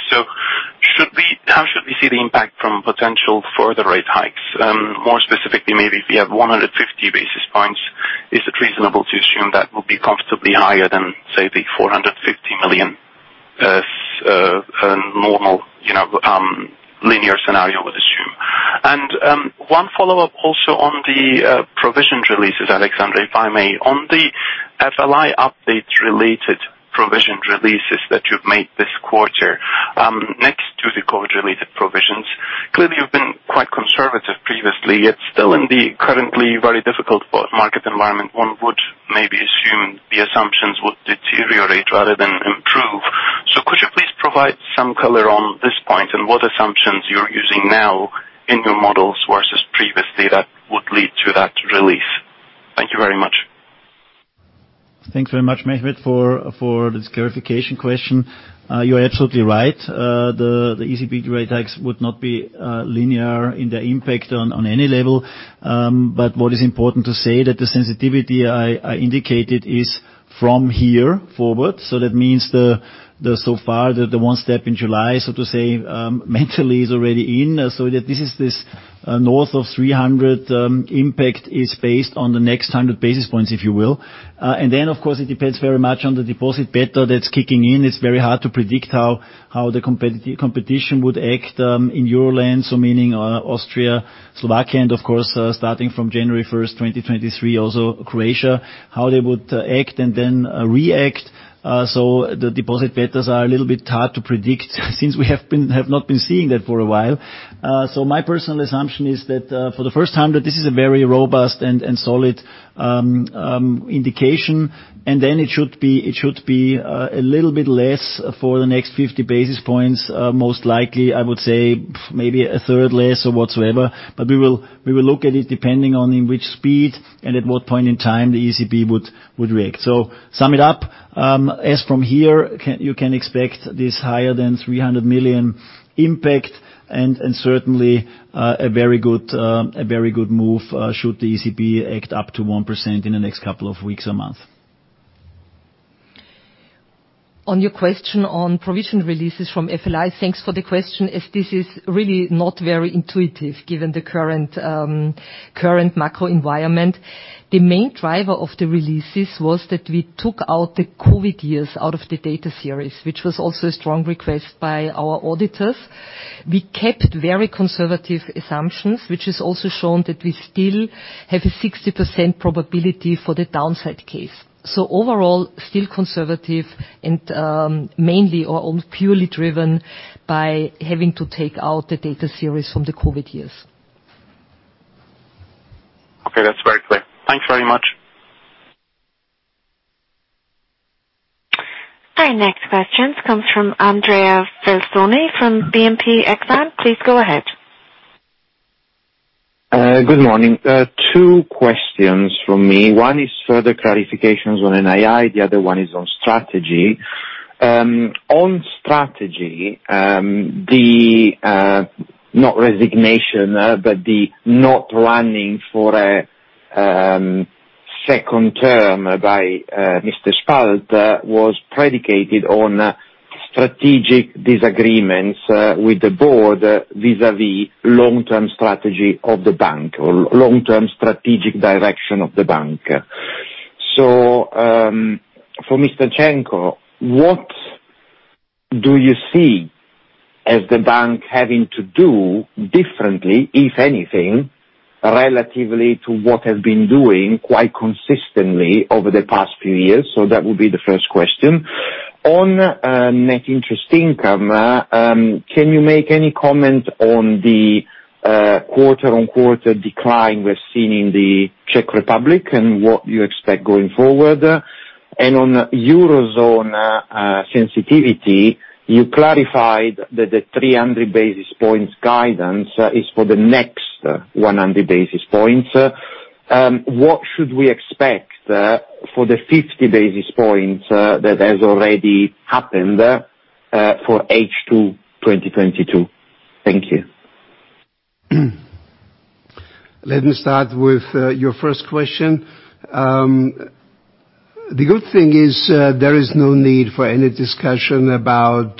How should we see the impact from potential further rate hikes? More specifically, maybe if you have 150 basis points, is it reasonable to assume that will be comfortably higher than, say, the 450 million, normal, you know, linear scenario would assume? One follow-up also on the provision releases, Alexandra, if I may. On the FLI updates related provision releases that you've made this quarter, next to the COVID-related provisions, clearly you've been quite conservative previously. Yet still in the currently very difficult market environment, one would maybe assume the assumptions would deteriorate rather than improve. Could you please provide some color on this point, and what assumptions you're using now in your models versus previously that would lead to that release? Thanks very much, Mehmet, for this clarification question. You're absolutely right. The ECB rate hikes would not be linear in their impact on any level. What is important to say that the sensitivity I indicated is from here forward. That means the so far, the one step in July, so to say, mentally is already in. That this north of 300 impact is based on the next 100 basis points, if you will. Then, of course, it depends very much on the deposit beta that's kicking in. It's very hard to predict how the competition would act in Euroland, so meaning Austria, Slovakia, and of course, starting from January 1, 2023, also Croatia, how they would act and then react. The deposit betas are a little bit hard to predict since we have not been seeing that for a while. My personal assumption is that, for the first time that this is a very robust and solid indication, and then it should be a little bit less for the next 50 basis points. Most likely, I would say maybe a third less or whatsoever. We will look at it depending on in which speed and at what point in time the ECB would react. Sum it up, as from here you can expect this higher than 300 million impact and certainly a very good move should the ECB act up to 1% in the next couple of weeks or month. On your question on provision releases from FLI, thanks for the question, as this is really not very intuitive given the current macro environment. The main driver of the releases was that we took out the COVID years out of the data series, which was also a strong request by our auditors. We kept very conservative assumptions, which is also shown that we still have a 60% probability for the downside case. Overall, still conservative and mainly or purely driven by having to take out the data series from the COVID years. Okay. That's very clear. Thanks very much. Our next question comes from Andrea Vercellone from BNP Exane. Please go ahead. Good morning. Two questions from me. One is further clarifications on NII, the other one is on strategy. On strategy, the not running for a second term by Mr. Spalt was predicated on strategic disagreements with the board vis-à-vis long-term strategy of the bank or long-term strategic direction of the bank. For Mr. Cernko, what do you see as the bank having to do differently, if anything, relatively to what has been doing quite consistently over the past few years? That would be the first question. On net interest income, can you make any comment on the quarter-on-quarter decline we're seeing in the Czech Republic and what you expect going forward? On Eurozone sensitivity, you clarified that the 300 basis points guidance is for the next 100 basis points. What should we expect for the 50 basis points that has already happened for H2 2022? Thank you. Let me start with your first question. The good thing is, there is no need for any discussion about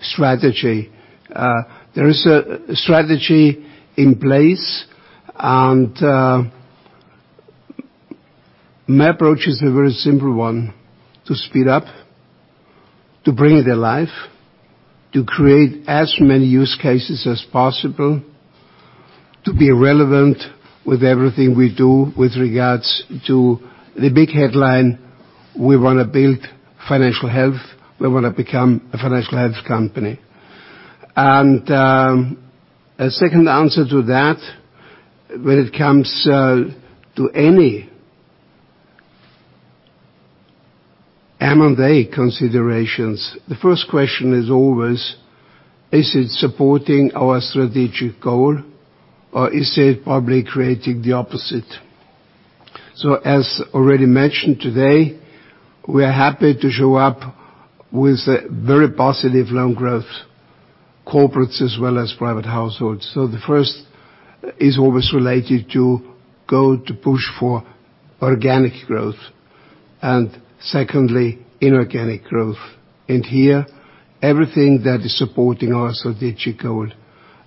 strategy. There is a strategy in place, and my approach is a very simple one, to speed up, to bring it alive, to create as many use cases as possible, to be relevant with everything we do with regards to the big headline, we wanna build financial health, we wanna become a financial health company. A second answer to that, when it comes to any M&A considerations, the first question is always, is it supporting our strategic goal or is it probably creating the opposite? As already mentioned today, we are happy to show up with a very positive loan growth, corporates as well as private households. The first is always related to how to push for organic growth, and secondly, inorganic growth. Here, everything that is supporting our strategic goal,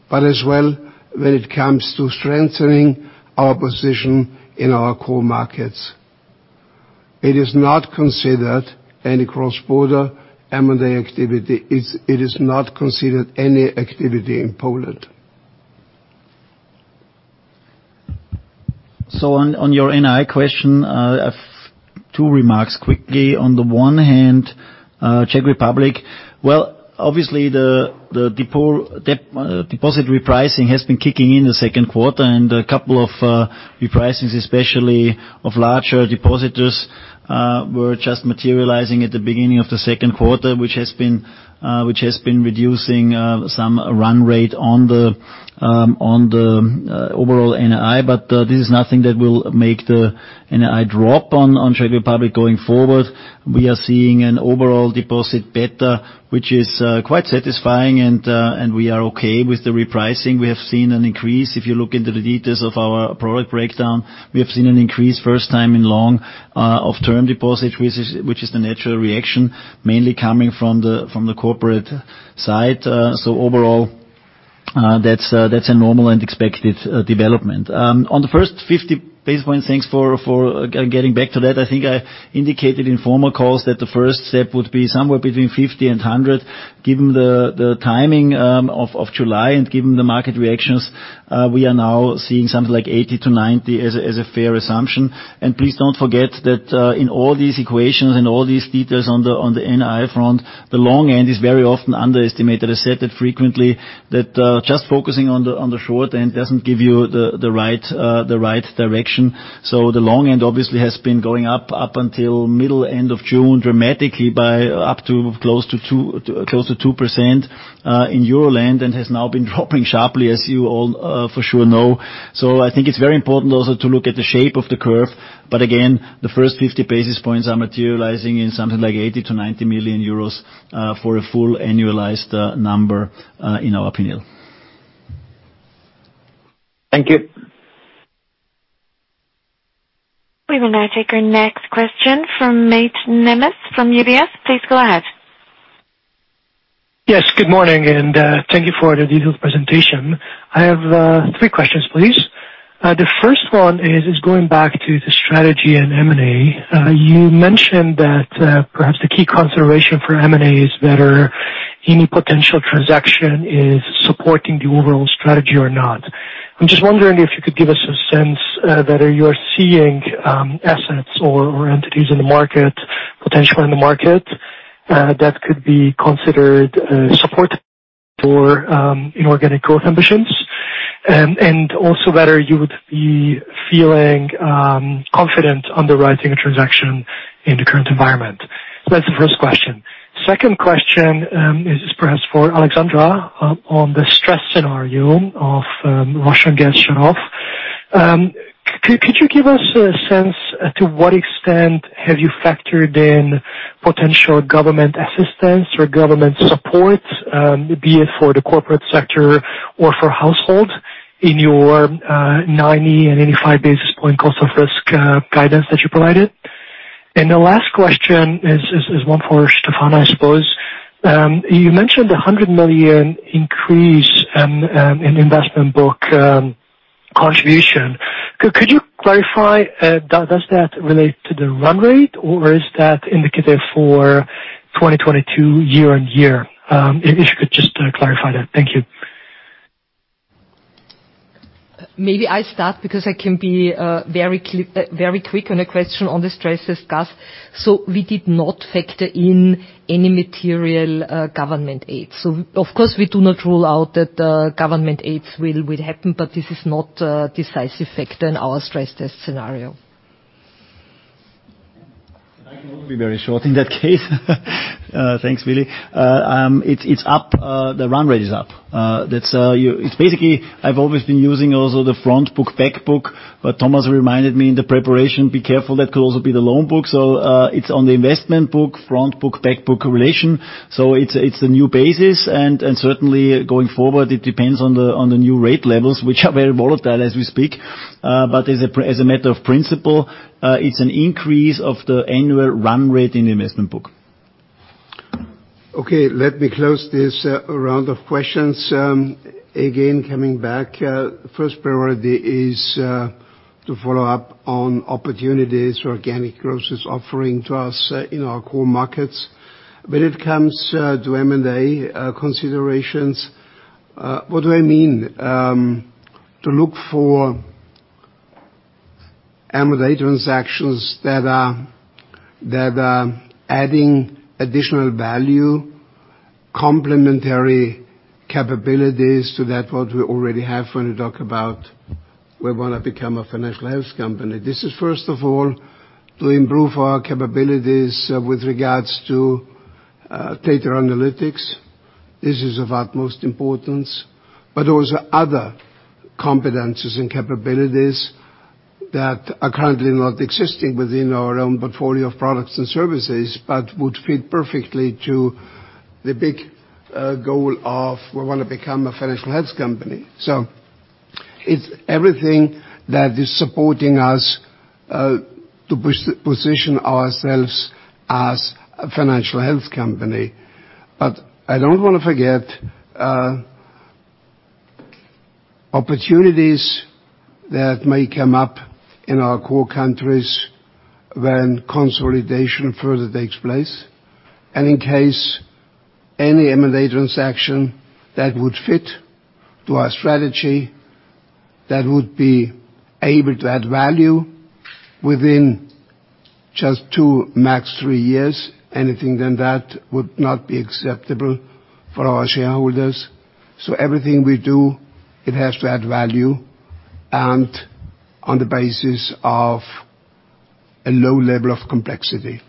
but as well, when it comes to strengthening our position in our core markets, it is not considered any cross-border M&A activity. It is not considered any activity in Poland. On your NII question, I have two remarks quickly. On the one hand, Czech Republic. Well, obviously the deposit repricing has been kicking in the second quarter, and a couple of repricings especially of larger depositors were just materializing at the beginning of the second quarter, which has been reducing some run rate on the overall NII. But this is nothing that will make the NII drop on Czech Republic going forward. We are seeing an overall deposit beta, which is quite satisfying and we are okay with the repricing. We have seen an increase. If you look into the details of our product breakdown, we have seen an increase first time in long of term deposit, which is the natural reaction mainly coming from the corporate side. So overall, that's a normal and expected development. On the first 50 basis points, thanks for getting back to that. I think I indicated in former calls that the first step would be somewhere between 50 and 100. Given the timing of July and given the market reactions, we are now seeing something like 80 to 90 as a fair assumption. Please don't forget that, in all these equations and all these details on the NII front, the long end is very often underestimated. I said that frequently just focusing on the short end doesn't give you the right direction. The long end obviously has been going up until middle end of June dramatically by up to close to 2% in Euroland and has now been dropping sharply as you all for sure know. I think it's very important also to look at the shape of the curve. Again, the first 50 basis points are materializing in something like 80 million- 90 million euros for a full annualized number in our opinion. Thank you. We will now take our next question from Mate Nemes, from UBS. Please go ahead. Yes, good morning, thank you for the detailed presentation. I have three questions, please. The first one is going back to the strategy and M&A. You mentioned that perhaps the key consideration for M&A is whether any potential transaction is supporting the overall strategy or not. I'm just wondering if you could give us a sense whether you're seeing assets or entities in the market, potential in the market, that could be considered support for inorganic growth ambitions. And also whether you would be feeling confident underwriting a transaction in the current environment. So that's the first question. Second question is perhaps for Alexandra on the stress scenario of Russian gas shutoff. Could you give us a sense to what extent have you factored in potential government assistance or government support, be it for the corporate sector or for household in your 90 and 85 basis point cost of risk guidance that you provided? The last question is one for Stefan, I suppose. You mentioned a 100 million increase in investment book contribution. Could you clarify, does that relate to the run rate or is that indicative for 2022 year-on-year? If you could just clarify that. Thank you. Maybe I start because I can be very quick on the question on the stress discussion. We did not factor in any material government aid. Of course, we do not rule out that government aids will happen, but this is not a decisive factor in our stress test scenario. I can also be very short in that case. Thanks, Willi. It's up, the run rate is up. It's basically I've always been using also the front book, back book, but Thomas reminded me in the preparation, be careful that could also be the loan book. It's on the investment book, front book, back book correlation. It's a new basis. Certainly going forward, it depends on the new rate levels, which are very volatile as we speak. As a matter of principle, it's an increase of the annual run rate in the investment book. Okay, let me close this round of questions. Again, coming back, first priority is to follow up on opportunities organic growth is offering to us in our core markets. When it comes to M&A considerations, what do I mean? To look for M&A transactions that are adding additional value, complementary capabilities to that what we already have when we talk about we wanna become a financial health company. This is first of all to improve our capabilities with regards to data analytics. This is of utmost importance. But also other competencies and capabilities that are currently not existing within our own portfolio of products and services, but would fit perfectly to the big goal of we wanna become a financial health company. It's everything that is supporting us to position ourselves as a financial health company. I don't wanna forget opportunities that may come up in our core countries when consolidation further takes place. Any M&A transaction that would fit to our strategy, that would be able to add value within just two, max three years. Anything other than that would not be acceptable for our shareholders. Everything we do, it has to add value and on the basis of a low level of complexity.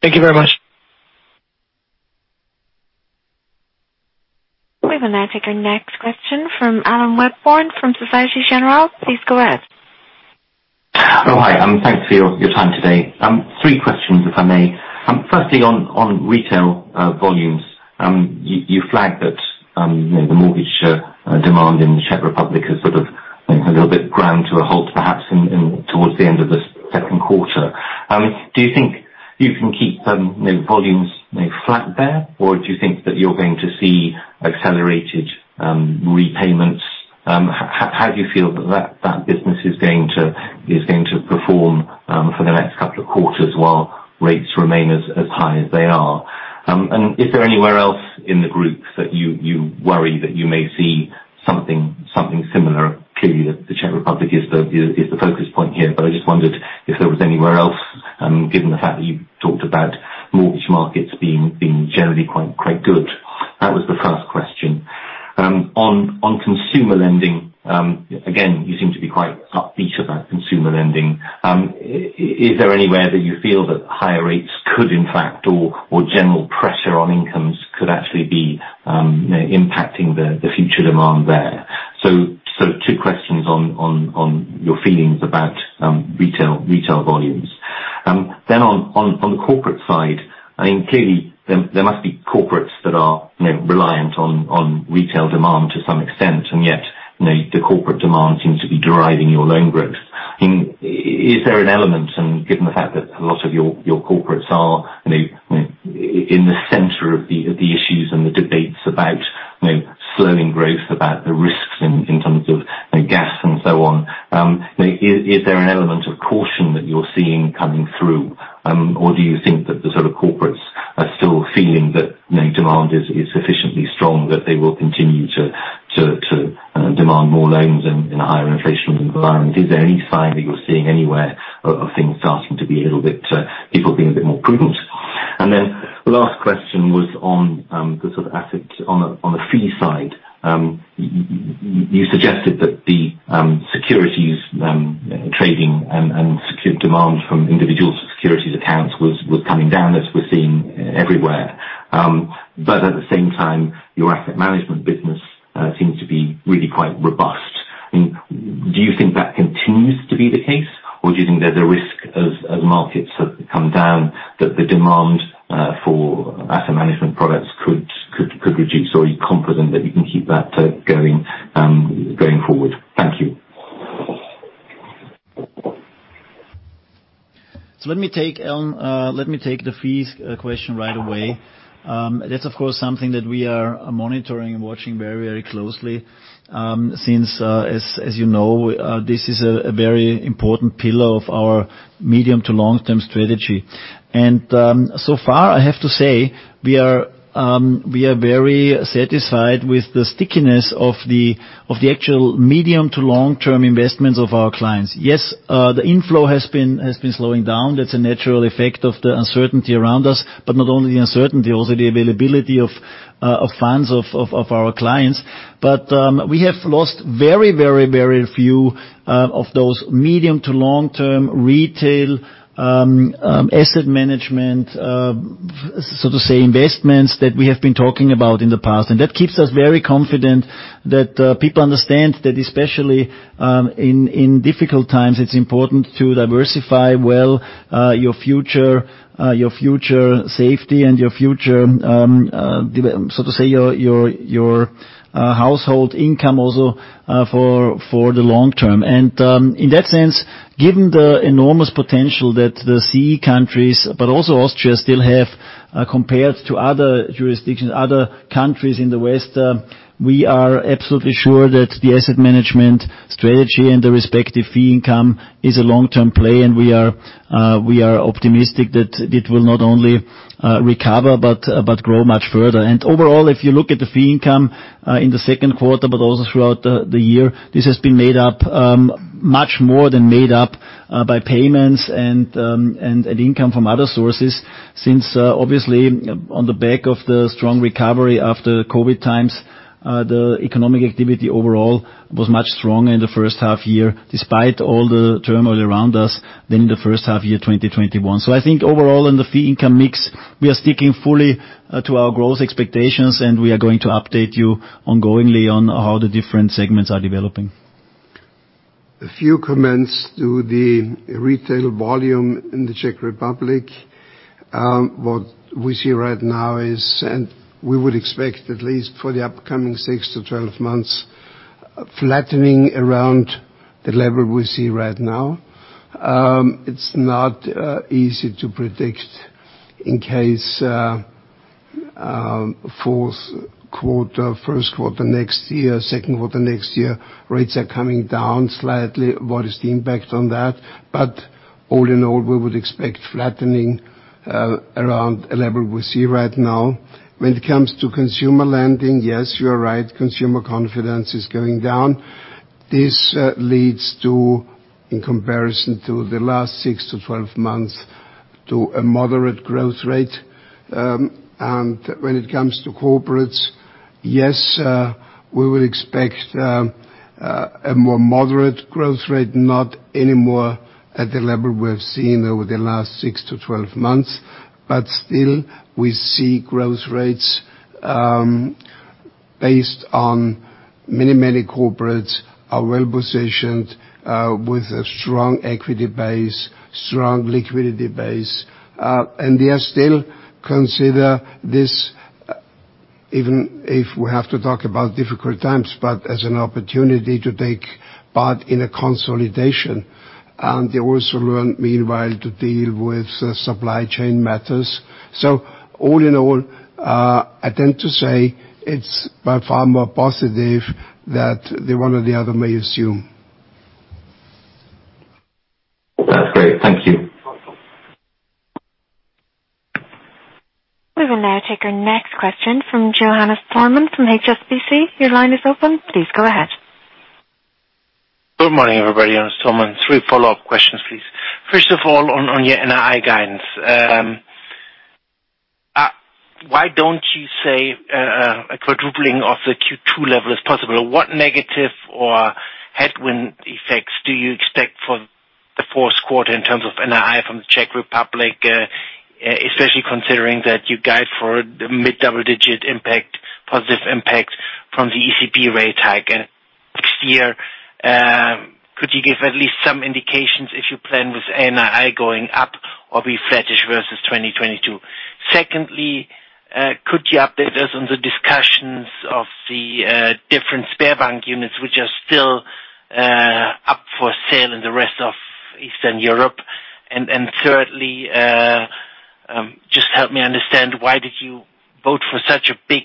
Thank you very much. We will now take our next question from Alan Webborn, from Société Générale. Please go ahead. Oh, hi. Thanks for your time today. Three questions, if I may. Firstly, on retail volumes. You flagged that, you know, the mortgage demand in the Czech Republic has sort of, you know, a little bit ground to a halt, perhaps in towards the end of the second quarter. Do you think you can keep, you know, volumes, you know, flat there? Or do you think that you're going to see accelerated repayments? How do you feel that business is going to perform for the next couple of quarters while rates remain as high as they are? Is there anywhere else in the group that you worry that you may see something similar? Clearly, the Czech Republic is the focus point here, but I just wondered if there was anywhere else, given the fact that you talked about mortgage markets being generally quite good. That was the first question. On consumer lending, again, you seem to be quite upbeat about consumer lending. Is there anywhere that you feel that higher rates could in fact, or general pressure on incomes could actually be, you know, impacting the future demand there? Two questions on your feelings about retail volumes. On the corporate side, I mean, clearly there must be corporates that are, you know, reliant on retail demand to some extent, and yet, you know, the corporate demand seems to be driving your loan growth. I mean, is there an element, and given the fact that a lot of your corporates are, you know, in the center of the issues and the debates about, you know, slowing growth, about the risks in terms of, you know, gas and so on, you know, is there an element of caution that you're seeing coming through? Or do you think that the sort of corporates are still feeling that, you know, demand is sufficiently strong, that they will continue to demand more loans in a higher inflation environment? Is there any sign that you're seeing anywhere of things starting to be a little bit, people being a bit more prudent? Then the last question was on the sort of aspect on a fee side. You suggested that the securities trading and securities demand from individual securities accounts was coming down as we're seeing everywhere. At the same time, your asset management business seems to be really quite robust. I mean, do you think that continues to be the case, or do you think there's a risk as markets have come down, that the demand for asset management products could reduce? Or are you confident that you can keep that going forward? Thank you. Let me take the fees question right away. That's of course something that we are monitoring and watching very, very closely. Since, as you know, this is a very important pillar of our medium to long-term strategy. So far, I have to say we are very satisfied with the stickiness of the actual medium to long-term investments of our clients. The inflow has been slowing down. That's a natural effect of the uncertainty around us, but not only the uncertainty, also the availability of funds of our clients. We have lost very few of those medium to long-term retail asset management, so to say, investments that we have been talking about in the past. That keeps us very confident that people understand that especially in difficult times, it's important to diversify well your future safety and your future so to say your household income also for the long term. In that sense, given the enormous potential that the CEE countries, but also Austria still have compared to other jurisdictions, other countries in the West, we are absolutely sure that the asset management strategy and the respective fee income is a long-term play, and we are optimistic that it will not only recover, but grow much further. Overall, if you look at the fee income in the second quarter, but also throughout the year, this has been more than made up by payments and income from other sources. Since obviously on the back of the strong recovery after COVID times, the economic activity overall was much stronger in the first half year, despite all the turmoil around us than in the first half year, 2021. I think overall in the fee income mix, we are sticking fully to our growth expectations, and we are going to update you ongoingly on how the different segments are developing. A few comments to the retail volume in the Czech Republic. What we see right now is, and we would expect at least for the upcoming 6-12 months, flattening around the level we see right now. It's not easy to predict in case. Fourth quarter, first quarter next year, second quarter next year, rates are coming down slightly. What is the impact on that? All in all, we would expect flattening around a level we see right now. When it comes to consumer lending, yes, you are right, consumer confidence is going down. This leads to, in comparison to the last 6-12 months, to a moderate growth rate. When it comes to corporates, yes, we will expect a more moderate growth rate, not anymore at the level we have seen over the last 6-12 months. Still, we see growth rates based on many corporates are well-positioned with a strong equity base, strong liquidity base. They still consider this, even if we have to talk about difficult times, but as an opportunity to take part in a consolidation. They also learned meanwhile to deal with the supply chain matters. All in all, I tend to say it's by far more positive that the one or the other may assume. That's great. Thank you. We will now take our question from Johannes Thormann from HSBC. Your line is open. Please go ahead. Good morning, everybody. Johannes Thormann. Three follow-up questions, please. First of all, on your NII guidance. Why don't you say a quadrupling of the Q2 level is possible? What negative or headwind effects do you expect for the fourth quarter in terms of NII from the Czech Republic, especially considering that you guide for the mid-double-digit impact, positive impact from the ECB rate hike? Next year, could you give at least some indications if you plan with NII going up or be flattish versus 2022? Secondly, could you update us on the discussions of the different Sberbank units which are still up for sale in the rest of Eastern Europe? Thirdly, just help me understand why did you vote for such a big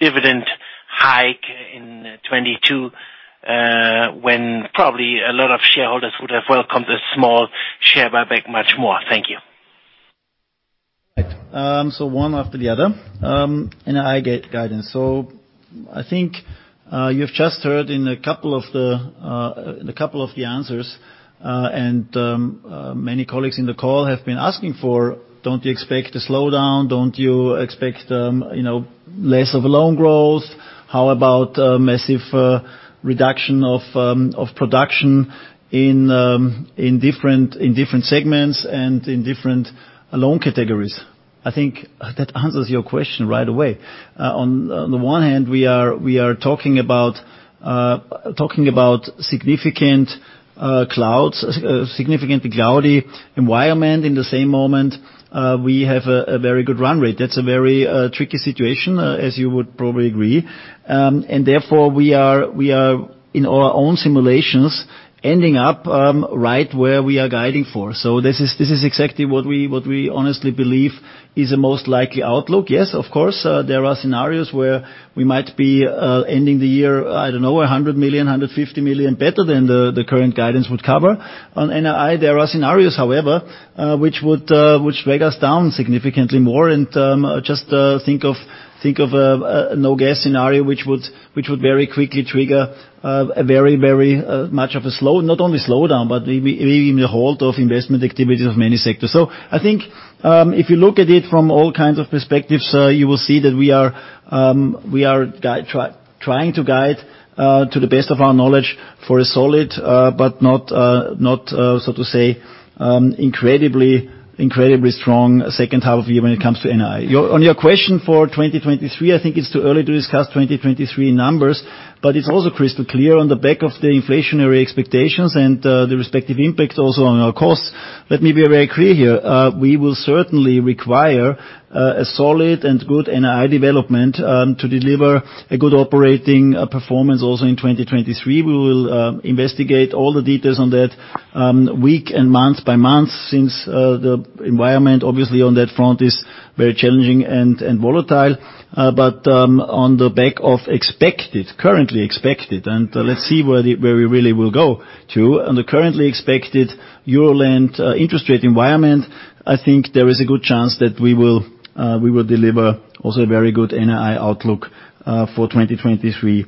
dividend hike in 2022, when probably a lot of shareholders would have welcomed a small share buyback much more? Thank you. Right. One after the other. NII guidance. I think you've just heard in a couple of the answers, and many colleagues in the call have been asking for, don't you expect a slowdown? Don't you expect, you know, less of a loan growth? How about massive reduction of production in different segments and in different loan categories? I think that answers your question right away. On the one hand, we are talking about significantly cloudy environment. In the same moment, we have a very good run rate. That's a very tricky situation, as you would probably agree. Therefore, we are in our own simulations ending up right where we are guiding for. This is exactly what we honestly believe is the most likely outlook. Yes, of course, there are scenarios where we might be ending the year, I don't know, 100 million, 150 million better than the current guidance would cover. On NII, there are scenarios, however, which would drag us down significantly more. Just think of a no-gas scenario, which would very quickly trigger not only slowdown, but maybe even a halt of investment activities of many sectors. I think, if you look at it from all kinds of perspectives, you will see that we are trying to guide, to the best of our knowledge for a solid, but not so to say, incredibly strong second half of the year when it comes to NII. On your question for 2023, I think it's too early to discuss 2023 numbers, but it's also crystal clear on the back of the inflationary expectations and, the respective impact also on our costs. Let me be very clear here. We will certainly require, a solid and good NII development, to deliver a good operating, performance also in 2023. We will investigate all the details on that week and month by month, since the environment, obviously, on that front is very challenging and volatile. On the back of expected, currently expected, and let's see where we really will go to. On the currently expected Euroland interest rate environment, I think there is a good chance that we will deliver also a very good NII outlook for 2023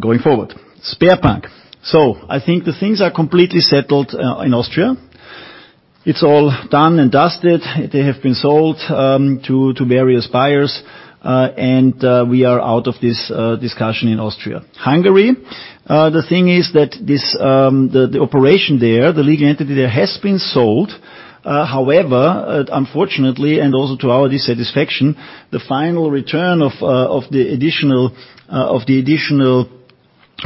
going forward. Sberbank. I think the things are completely settled in Austria. It's all done and dusted. They have been sold to various buyers, and we are out of this discussion in Austria. Hungary, the thing is that this, the operation there, the legal entity there has been sold. However, unfortunately, and also to our dissatisfaction, the final return of the additional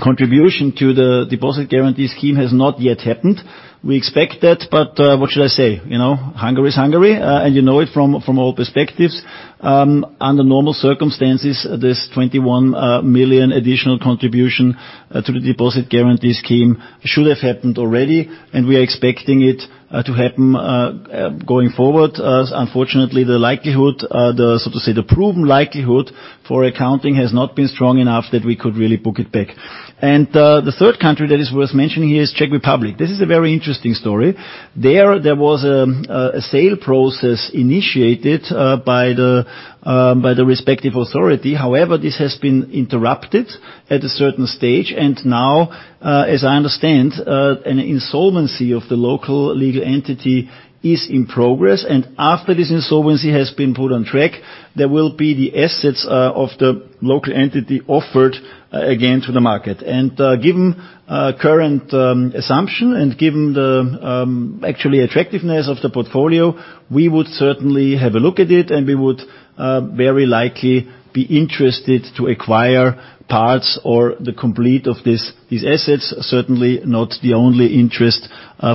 contribution to the deposit guarantee scheme has not yet happened. We expect that, but what should I say? You know, Hungary is Hungary, and you know it from all perspectives. Under normal circumstances, this 21 million additional contribution to the deposit guarantee scheme should have happened already, and we are expecting it to happen going forward. Unfortunately, the likelihood, the so to say, the proven likelihood for accounting has not been strong enough that we could really book it back. The third country that is worth mentioning here is Czech Republic. This is a very interesting story. There was a sale process initiated by the respective authority. However, this has been interrupted at a certain stage. Now, as I understand, an insolvency of the local legal entity is in progress. After this insolvency has been put on track, there will be the assets of the local entity offered again to the market. Given current assumption and given the actually attractiveness of the portfolio, we would certainly have a look at it, and we would very likely be interested to acquire parts or the complete of these assets. Certainly not the only interest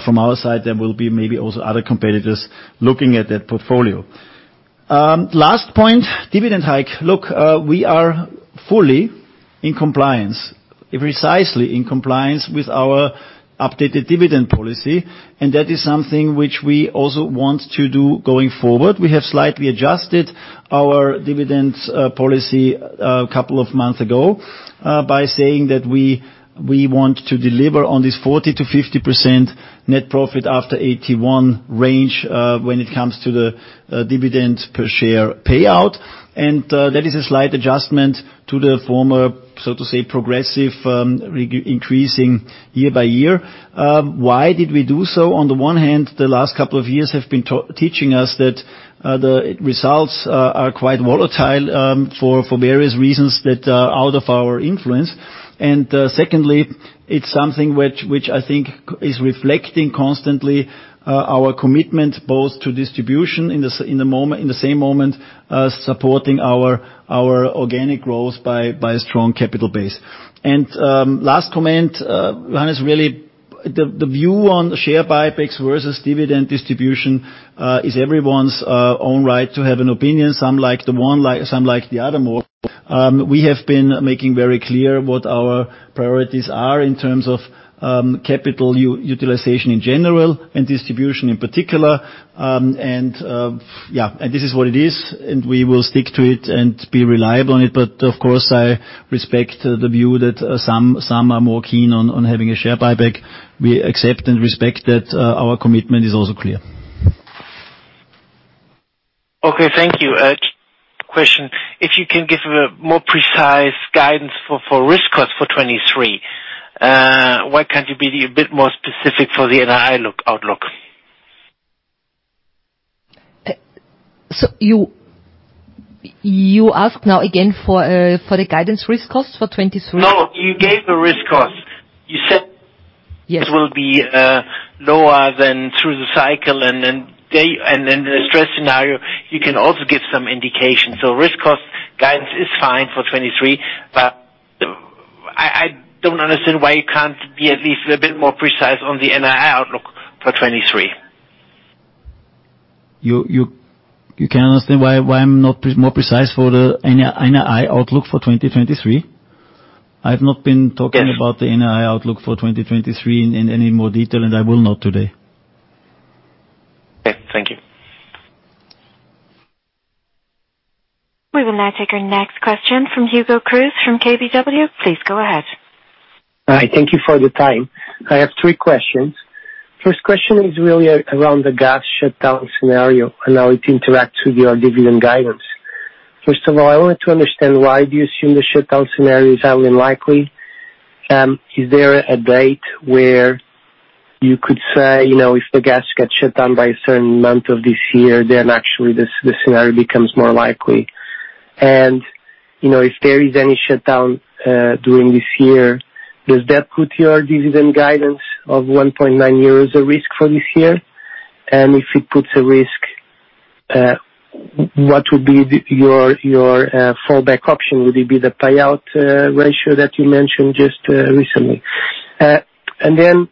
from our side. There will be maybe also other competitors looking at that portfolio. Last point, dividend hike. Look, we are fully in compliance, precisely in compliance with our updated dividend policy, and that is something which we also want to do going forward. We have slightly adjusted our dividends policy a couple of months ago by saying that we want to deliver on this 40%-50% net profit after AT1 range when it comes to the dividend per share payout. That is a slight adjustment to the former, so to say, progressive increasing year by year. Why did we do so? On the one hand, the last couple of years have been teaching us that the results are quite volatile for various reasons that are out of our influence. Secondly, it's something which I think is reflecting constantly our commitment both to distribution in the moment, in the same moment as supporting our organic growth by a strong capital base. Last comment, Johannes, really, the view on share buybacks versus dividend distribution is everyone's own right to have an opinion. Some like the one, like, some like the other more. We have been making very clear what our priorities are in terms of capital utilization in general and distribution in particular. Yeah, this is what it is, and we will stick to it and be reliable on it. Of course, I respect the view that some are more keen on having a share buyback. We accept and respect that. Our commitment is also clear. Okay, thank you. Question. If you can give a more precise guidance for risk cost for 2023, why can't you be a bit more specific for the NII outlook? You ask now again for the guidance risk costs for 2023? No, you gave a risk cost. You said. Yes. It will be lower than through the cycle. Then the stress scenario, you can also give some indication. Risk cost guidance is fine for 2023, but I don't understand why you can't be at least a bit more precise on the NII outlook for 2023. You can't understand why I'm not more precise for the NII outlook for 2023? I've not been talking about- Yes. The NII outlook for 2023 in any more detail, and I will not today. Okay. Thank you. We will now take our next question from Hugo Cruz from KBW. Please go ahead. All right. Thank you for the time. I have three questions. First question is really around the gas shutdown scenario and how it interacts with your dividend guidance. First of all, I wanted to understand why do you assume the shutdown scenario is highly unlikely? Is there a date where you could say, you know, if the gas gets shut down by a certain month of this year, then actually this scenario becomes more likely? You know, if there is any shutdown during this year, does that put your dividend guidance of 1.9 euros at risk for this year? If it puts at risk, what would be your fallback option? Would it be the payout ratio that you mentioned just recently? Then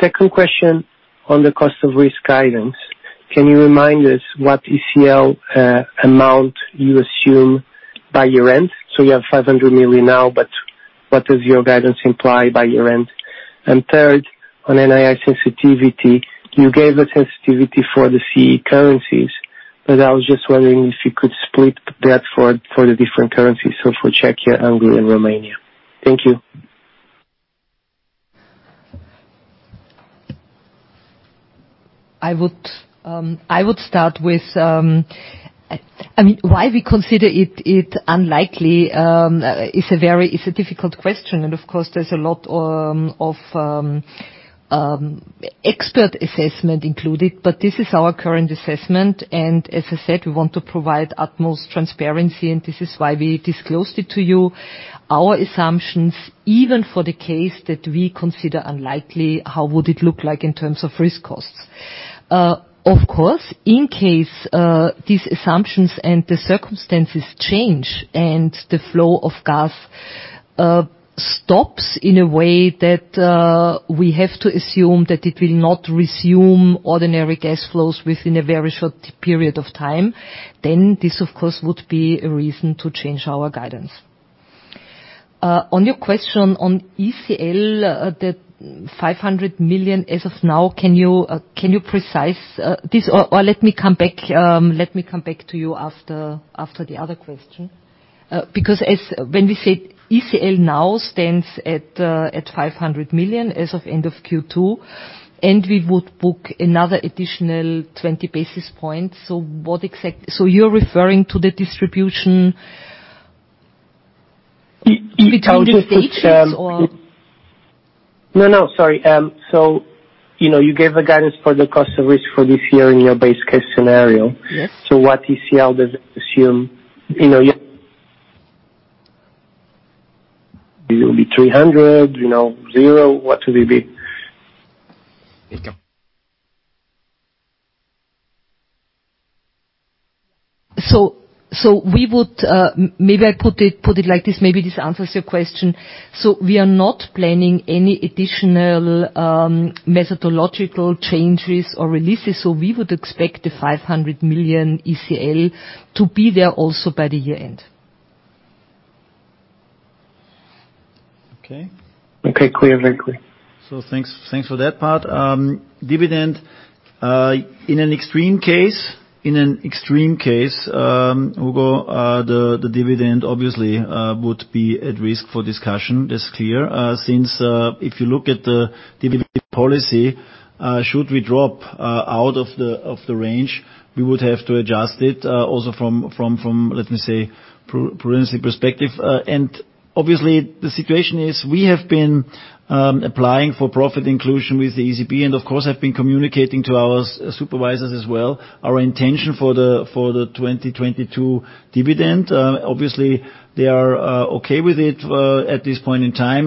second question on the cost of risk guidance. Can you remind us what ECL amount you assume by year-end? So you have 500 million now, but what does your guidance imply by year-end? And third, on NII sensitivity, you gave a sensitivity for the CEE currencies, but I was just wondering if you could split that for the different currencies, so for Czechia, Hungary, and Romania. Thank you. I would start with I mean, why we consider it unlikely is a very difficult question. Of course, there's a lot of expert assessment included, but this is our current assessment. As I said, we want to provide utmost transparency, and this is why we disclosed it to you. Our assumptions, even for the case that we consider unlikely, how would it look like in terms of risk costs? Of course, in case these assumptions and the circumstances change and the flow of gas stops in a way that we have to assume that it will not resume ordinary gas flows within a very short period of time, then this of course would be a reason to change our guidance. On your question on ECL, the 500 million as of now, can you specify this? Or let me come back to you after the other question. Because as we say ECL now stands at 500 million as of end of Q2, and we would book another additional 20 basis points. So you're referring to the distribution between the stages or No, no, sorry. You know, you gave a guidance for the cost of risk for this year in your base case scenario. Yes. What ECL does assume, you know, will it be 300 million, you know, 0? What will it be? We would maybe I put it like this, maybe this answers your question. We are not planning any additional methodological changes or releases. We would expect the 500 million ECL to be there also by the year-end. Okay. Clear. Very clear. Thanks for that part. Dividend in an extreme case, Hugo, the dividend obviously would be at risk for discussion. That's clear. Since if you look at the dividend policy, should we drop out of the range, we would have to adjust it also from, let me say, prudence perspective. Obviously the situation is we have been applying for profit inclusion with the ECB and of course have been communicating to our supervisors as well, our intention for the 2022 dividend. Obviously, they are okay with it at this point in time.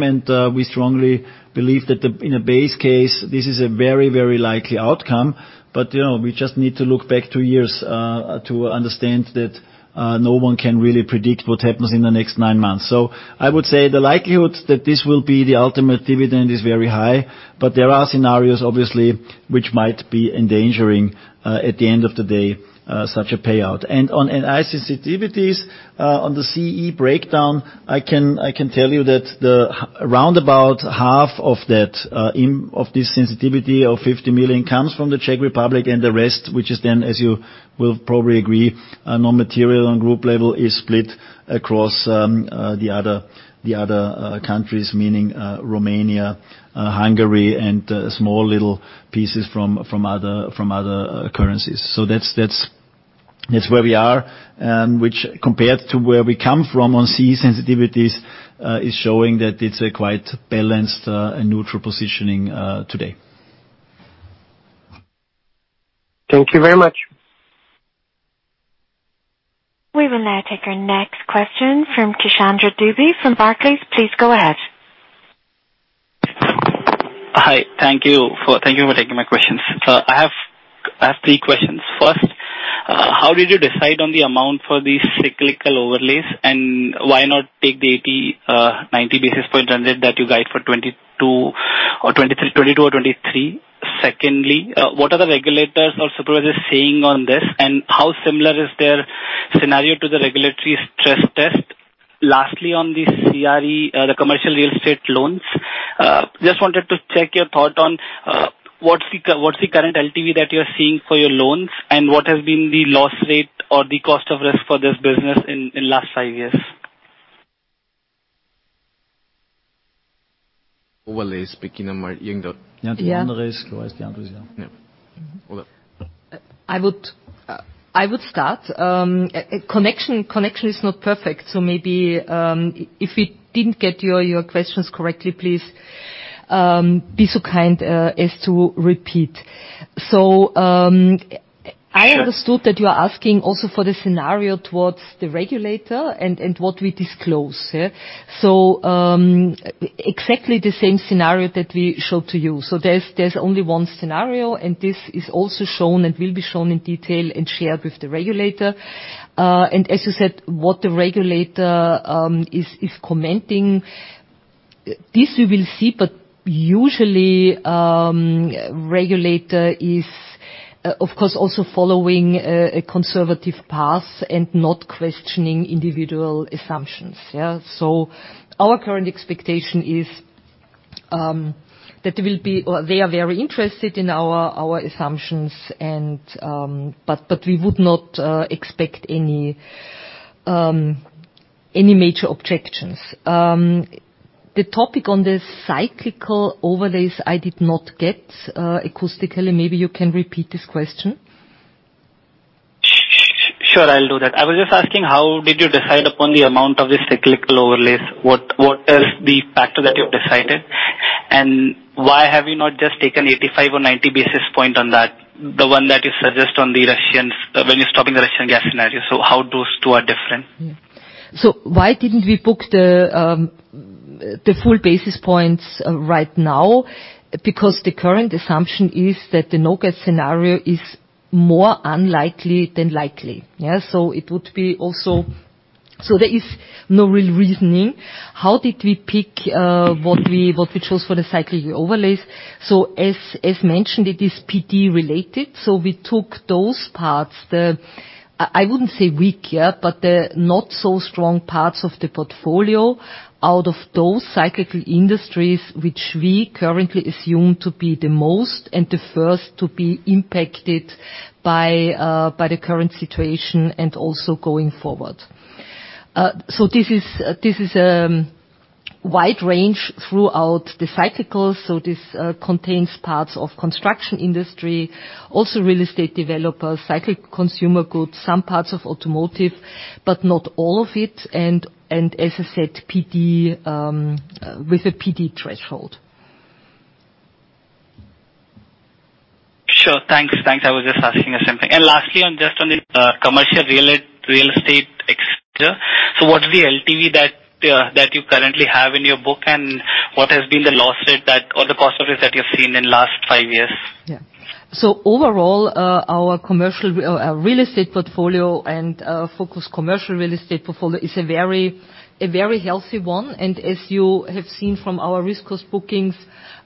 We strongly believe that in a base case, this is a very likely outcome. You know, we just need to look back two years to understand that no one can really predict what happens in the next nine months. I would say the likelihood that this will be the ultimate dividend is very high, but there are scenarios, obviously, which might be endangering at the end of the day such a payout. On NII sensitivities, on the CEE breakdown, I can tell you that around half of that of this sensitivity of 50 million comes from the Czech Republic and the rest, which is then, as you will probably agree, are non-material on group level is split across the other countries, meaning Romania, Hungary, and small little pieces from other currencies. That's where we are, which compared to where we come from on CEE sensitivities, is showing that it's a quite balanced and neutral positioning today. Thank you very much. We will now take our next question from Krishnendra Dubey from Barclays. Please go ahead. Hi. Thank you for taking my questions. I have three questions. First, how did you decide on the amount for these cyclical overlays, and why not take the 80-90 basis points that you guide for 2022 or 2023? Secondly, what are the regulators or supervisors saying on this, and how similar is their scenario to the regulatory stress test? Lastly, on the CRE, the commercial real estate loans, just wanted to check your thought on, what's the current LTV that you're seeing for your loans, and what has been the loss rate or the cost of risk for this business in last five years? Overlays. I would start. Connection is not perfect, so maybe if we didn't get your questions correctly, please be so kind as to repeat. I understood that you are asking also for the scenario towards the regulator and what we disclose, yeah. Exactly the same scenario that we showed to you. There's only one scenario, and this is also shown and will be shown in detail and shared with the regulator. As you said, what the regulator is commenting, this we will see, but usually regulator is of course also following a conservative path and not questioning individual assumptions, yeah. Our current expectation is that they will be or they are very interested in our assumptions and but we would not expect any major objections. The topic on the cyclical overlays I did not get acoustically. Maybe you can repeat this question. Sure, I'll do that. I was just asking how did you decide upon the amount of the cyclical overlays? What is the factor that you've decided? Why have you not just taken 85 or 90 basis point on that? The one that you suggest on the Russians, when you're stopping the Russian gas scenario. Why didn't we book the full basis points right now? Because the current assumption is that the no-growth scenario is more unlikely than likely. Yeah, it would be also. There is no real reasoning. How did we pick what we chose for the cyclical overlays? As mentioned, it is PD related, so we took those parts. I wouldn't say weaker, but the not so strong parts of the portfolio out of those cyclical industries which we currently assume to be the most and the first to be impacted by the current situation and also going forward. This is wide range throughout the cyclical. This contains parts of construction industry, also real estate developers, cyclical consumer goods, some parts of automotive, but not all of it, and as I said, PD with a PD threshold. Sure. Thanks. Thanks. I was just asking the same thing. Lastly, on the commercial real estate exit. What's the LTV that you currently have in your book, and what has been the loss rate or the cost of it that you've seen in last five years? Yeah. Overall, our commercial real estate portfolio and focused commercial real estate portfolio is a very healthy one. As you have seen from our risk costs bookings,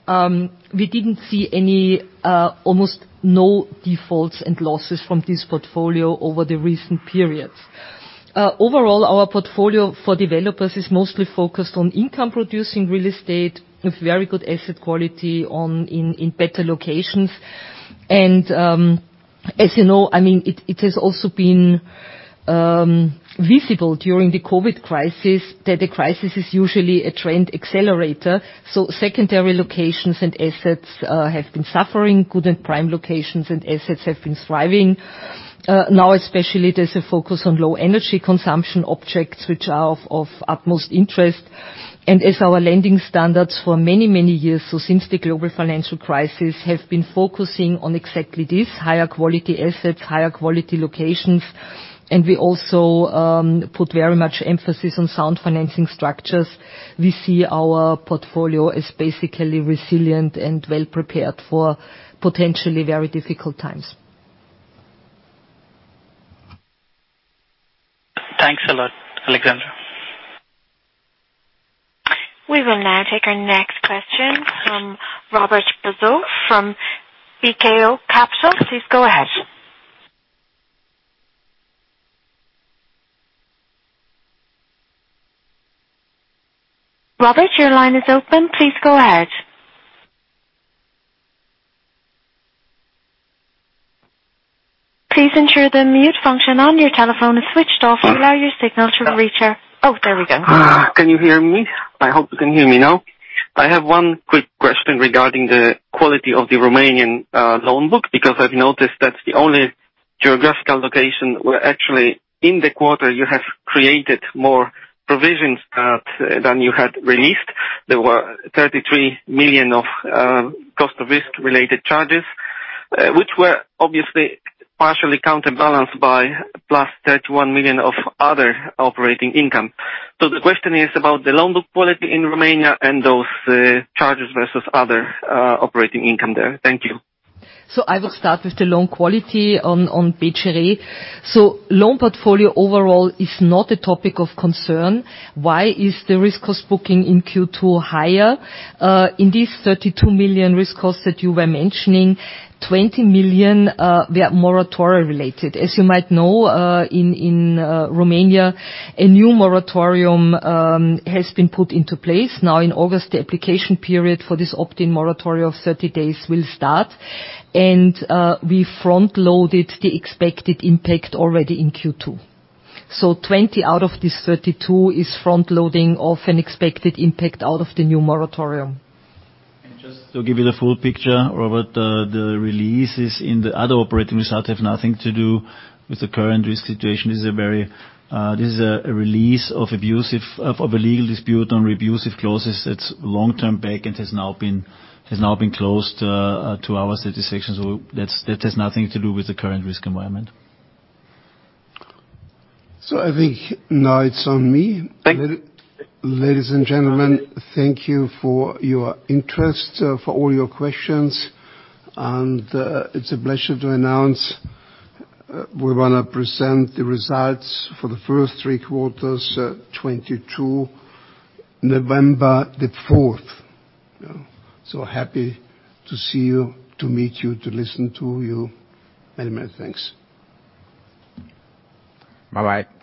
we didn't see any almost no defaults and losses from this portfolio over the recent periods. Overall, our portfolio for developers is mostly focused on income-producing real estate with very good asset quality in better locations. As you know, I mean, it has also been visible during the COVID crisis that the crisis is usually a trend accelerator. Secondary locations and assets have been suffering. Good and prime locations and assets have been thriving. Now especially, there's a focus on low energy consumption objects which are of utmost interest. As our lending standards for many, many years, so since the global financial crisis, have been focusing on exactly this, higher quality assets, higher quality locations. We also put very much emphasis on sound financing structures. We see our portfolio as basically resilient and well-prepared for potentially very difficult times. Thanks a lot, Alexandra. We will now take our next question from Robert Brzoza from PKO. Please go ahead. Robert, your line is open. Please go ahead. Please ensure the mute function on your telephone is switched off to allow your signal to reach our. Can- Oh, there we go. Can you hear me? I hope you can hear me now. I have one quick question regarding the quality of the Romanian loan book, because I've noticed that's the only geographical location where actually in the quarter you have created more provisions than you had released. There were 33 million of cost of risk-related charges, which were obviously partially counterbalanced by plus 31 million of other operating income. The question is about the loan book quality in Romania and those charges versus other operating income there. Thank you. I will start with the loan quality on BRD. Loan portfolio overall is not a topic of concern. Why is the risk cost booking in Q2 higher? In this 32 million risk costs that you were mentioning, 20 million were moratoria-related. As you might know, in Romania, a new moratorium has been put into place. Now in August, the application period for this opt-in moratoria of 30 days will start. We front-loaded the expected impact already in Q2. Twenty out of this 32 is front-loading of an expected impact out of the new moratoria. Just to give you the full picture, Robert, the releases in the other operating result have nothing to do with the current risk situation. This is a release of provision for a legal dispute on abusive clauses. It's long-term and has now been closed to our satisfaction. That has nothing to do with the current risk environment. I think now it's on me. Thank you. Ladies and gentlemen, thank you for your interest for all your questions. It's a pleasure to announce we wanna present the results for the first three quarters 2022, November the 4th. Happy to see you, to meet you, to listen to you. Many thanks. Bye-bye.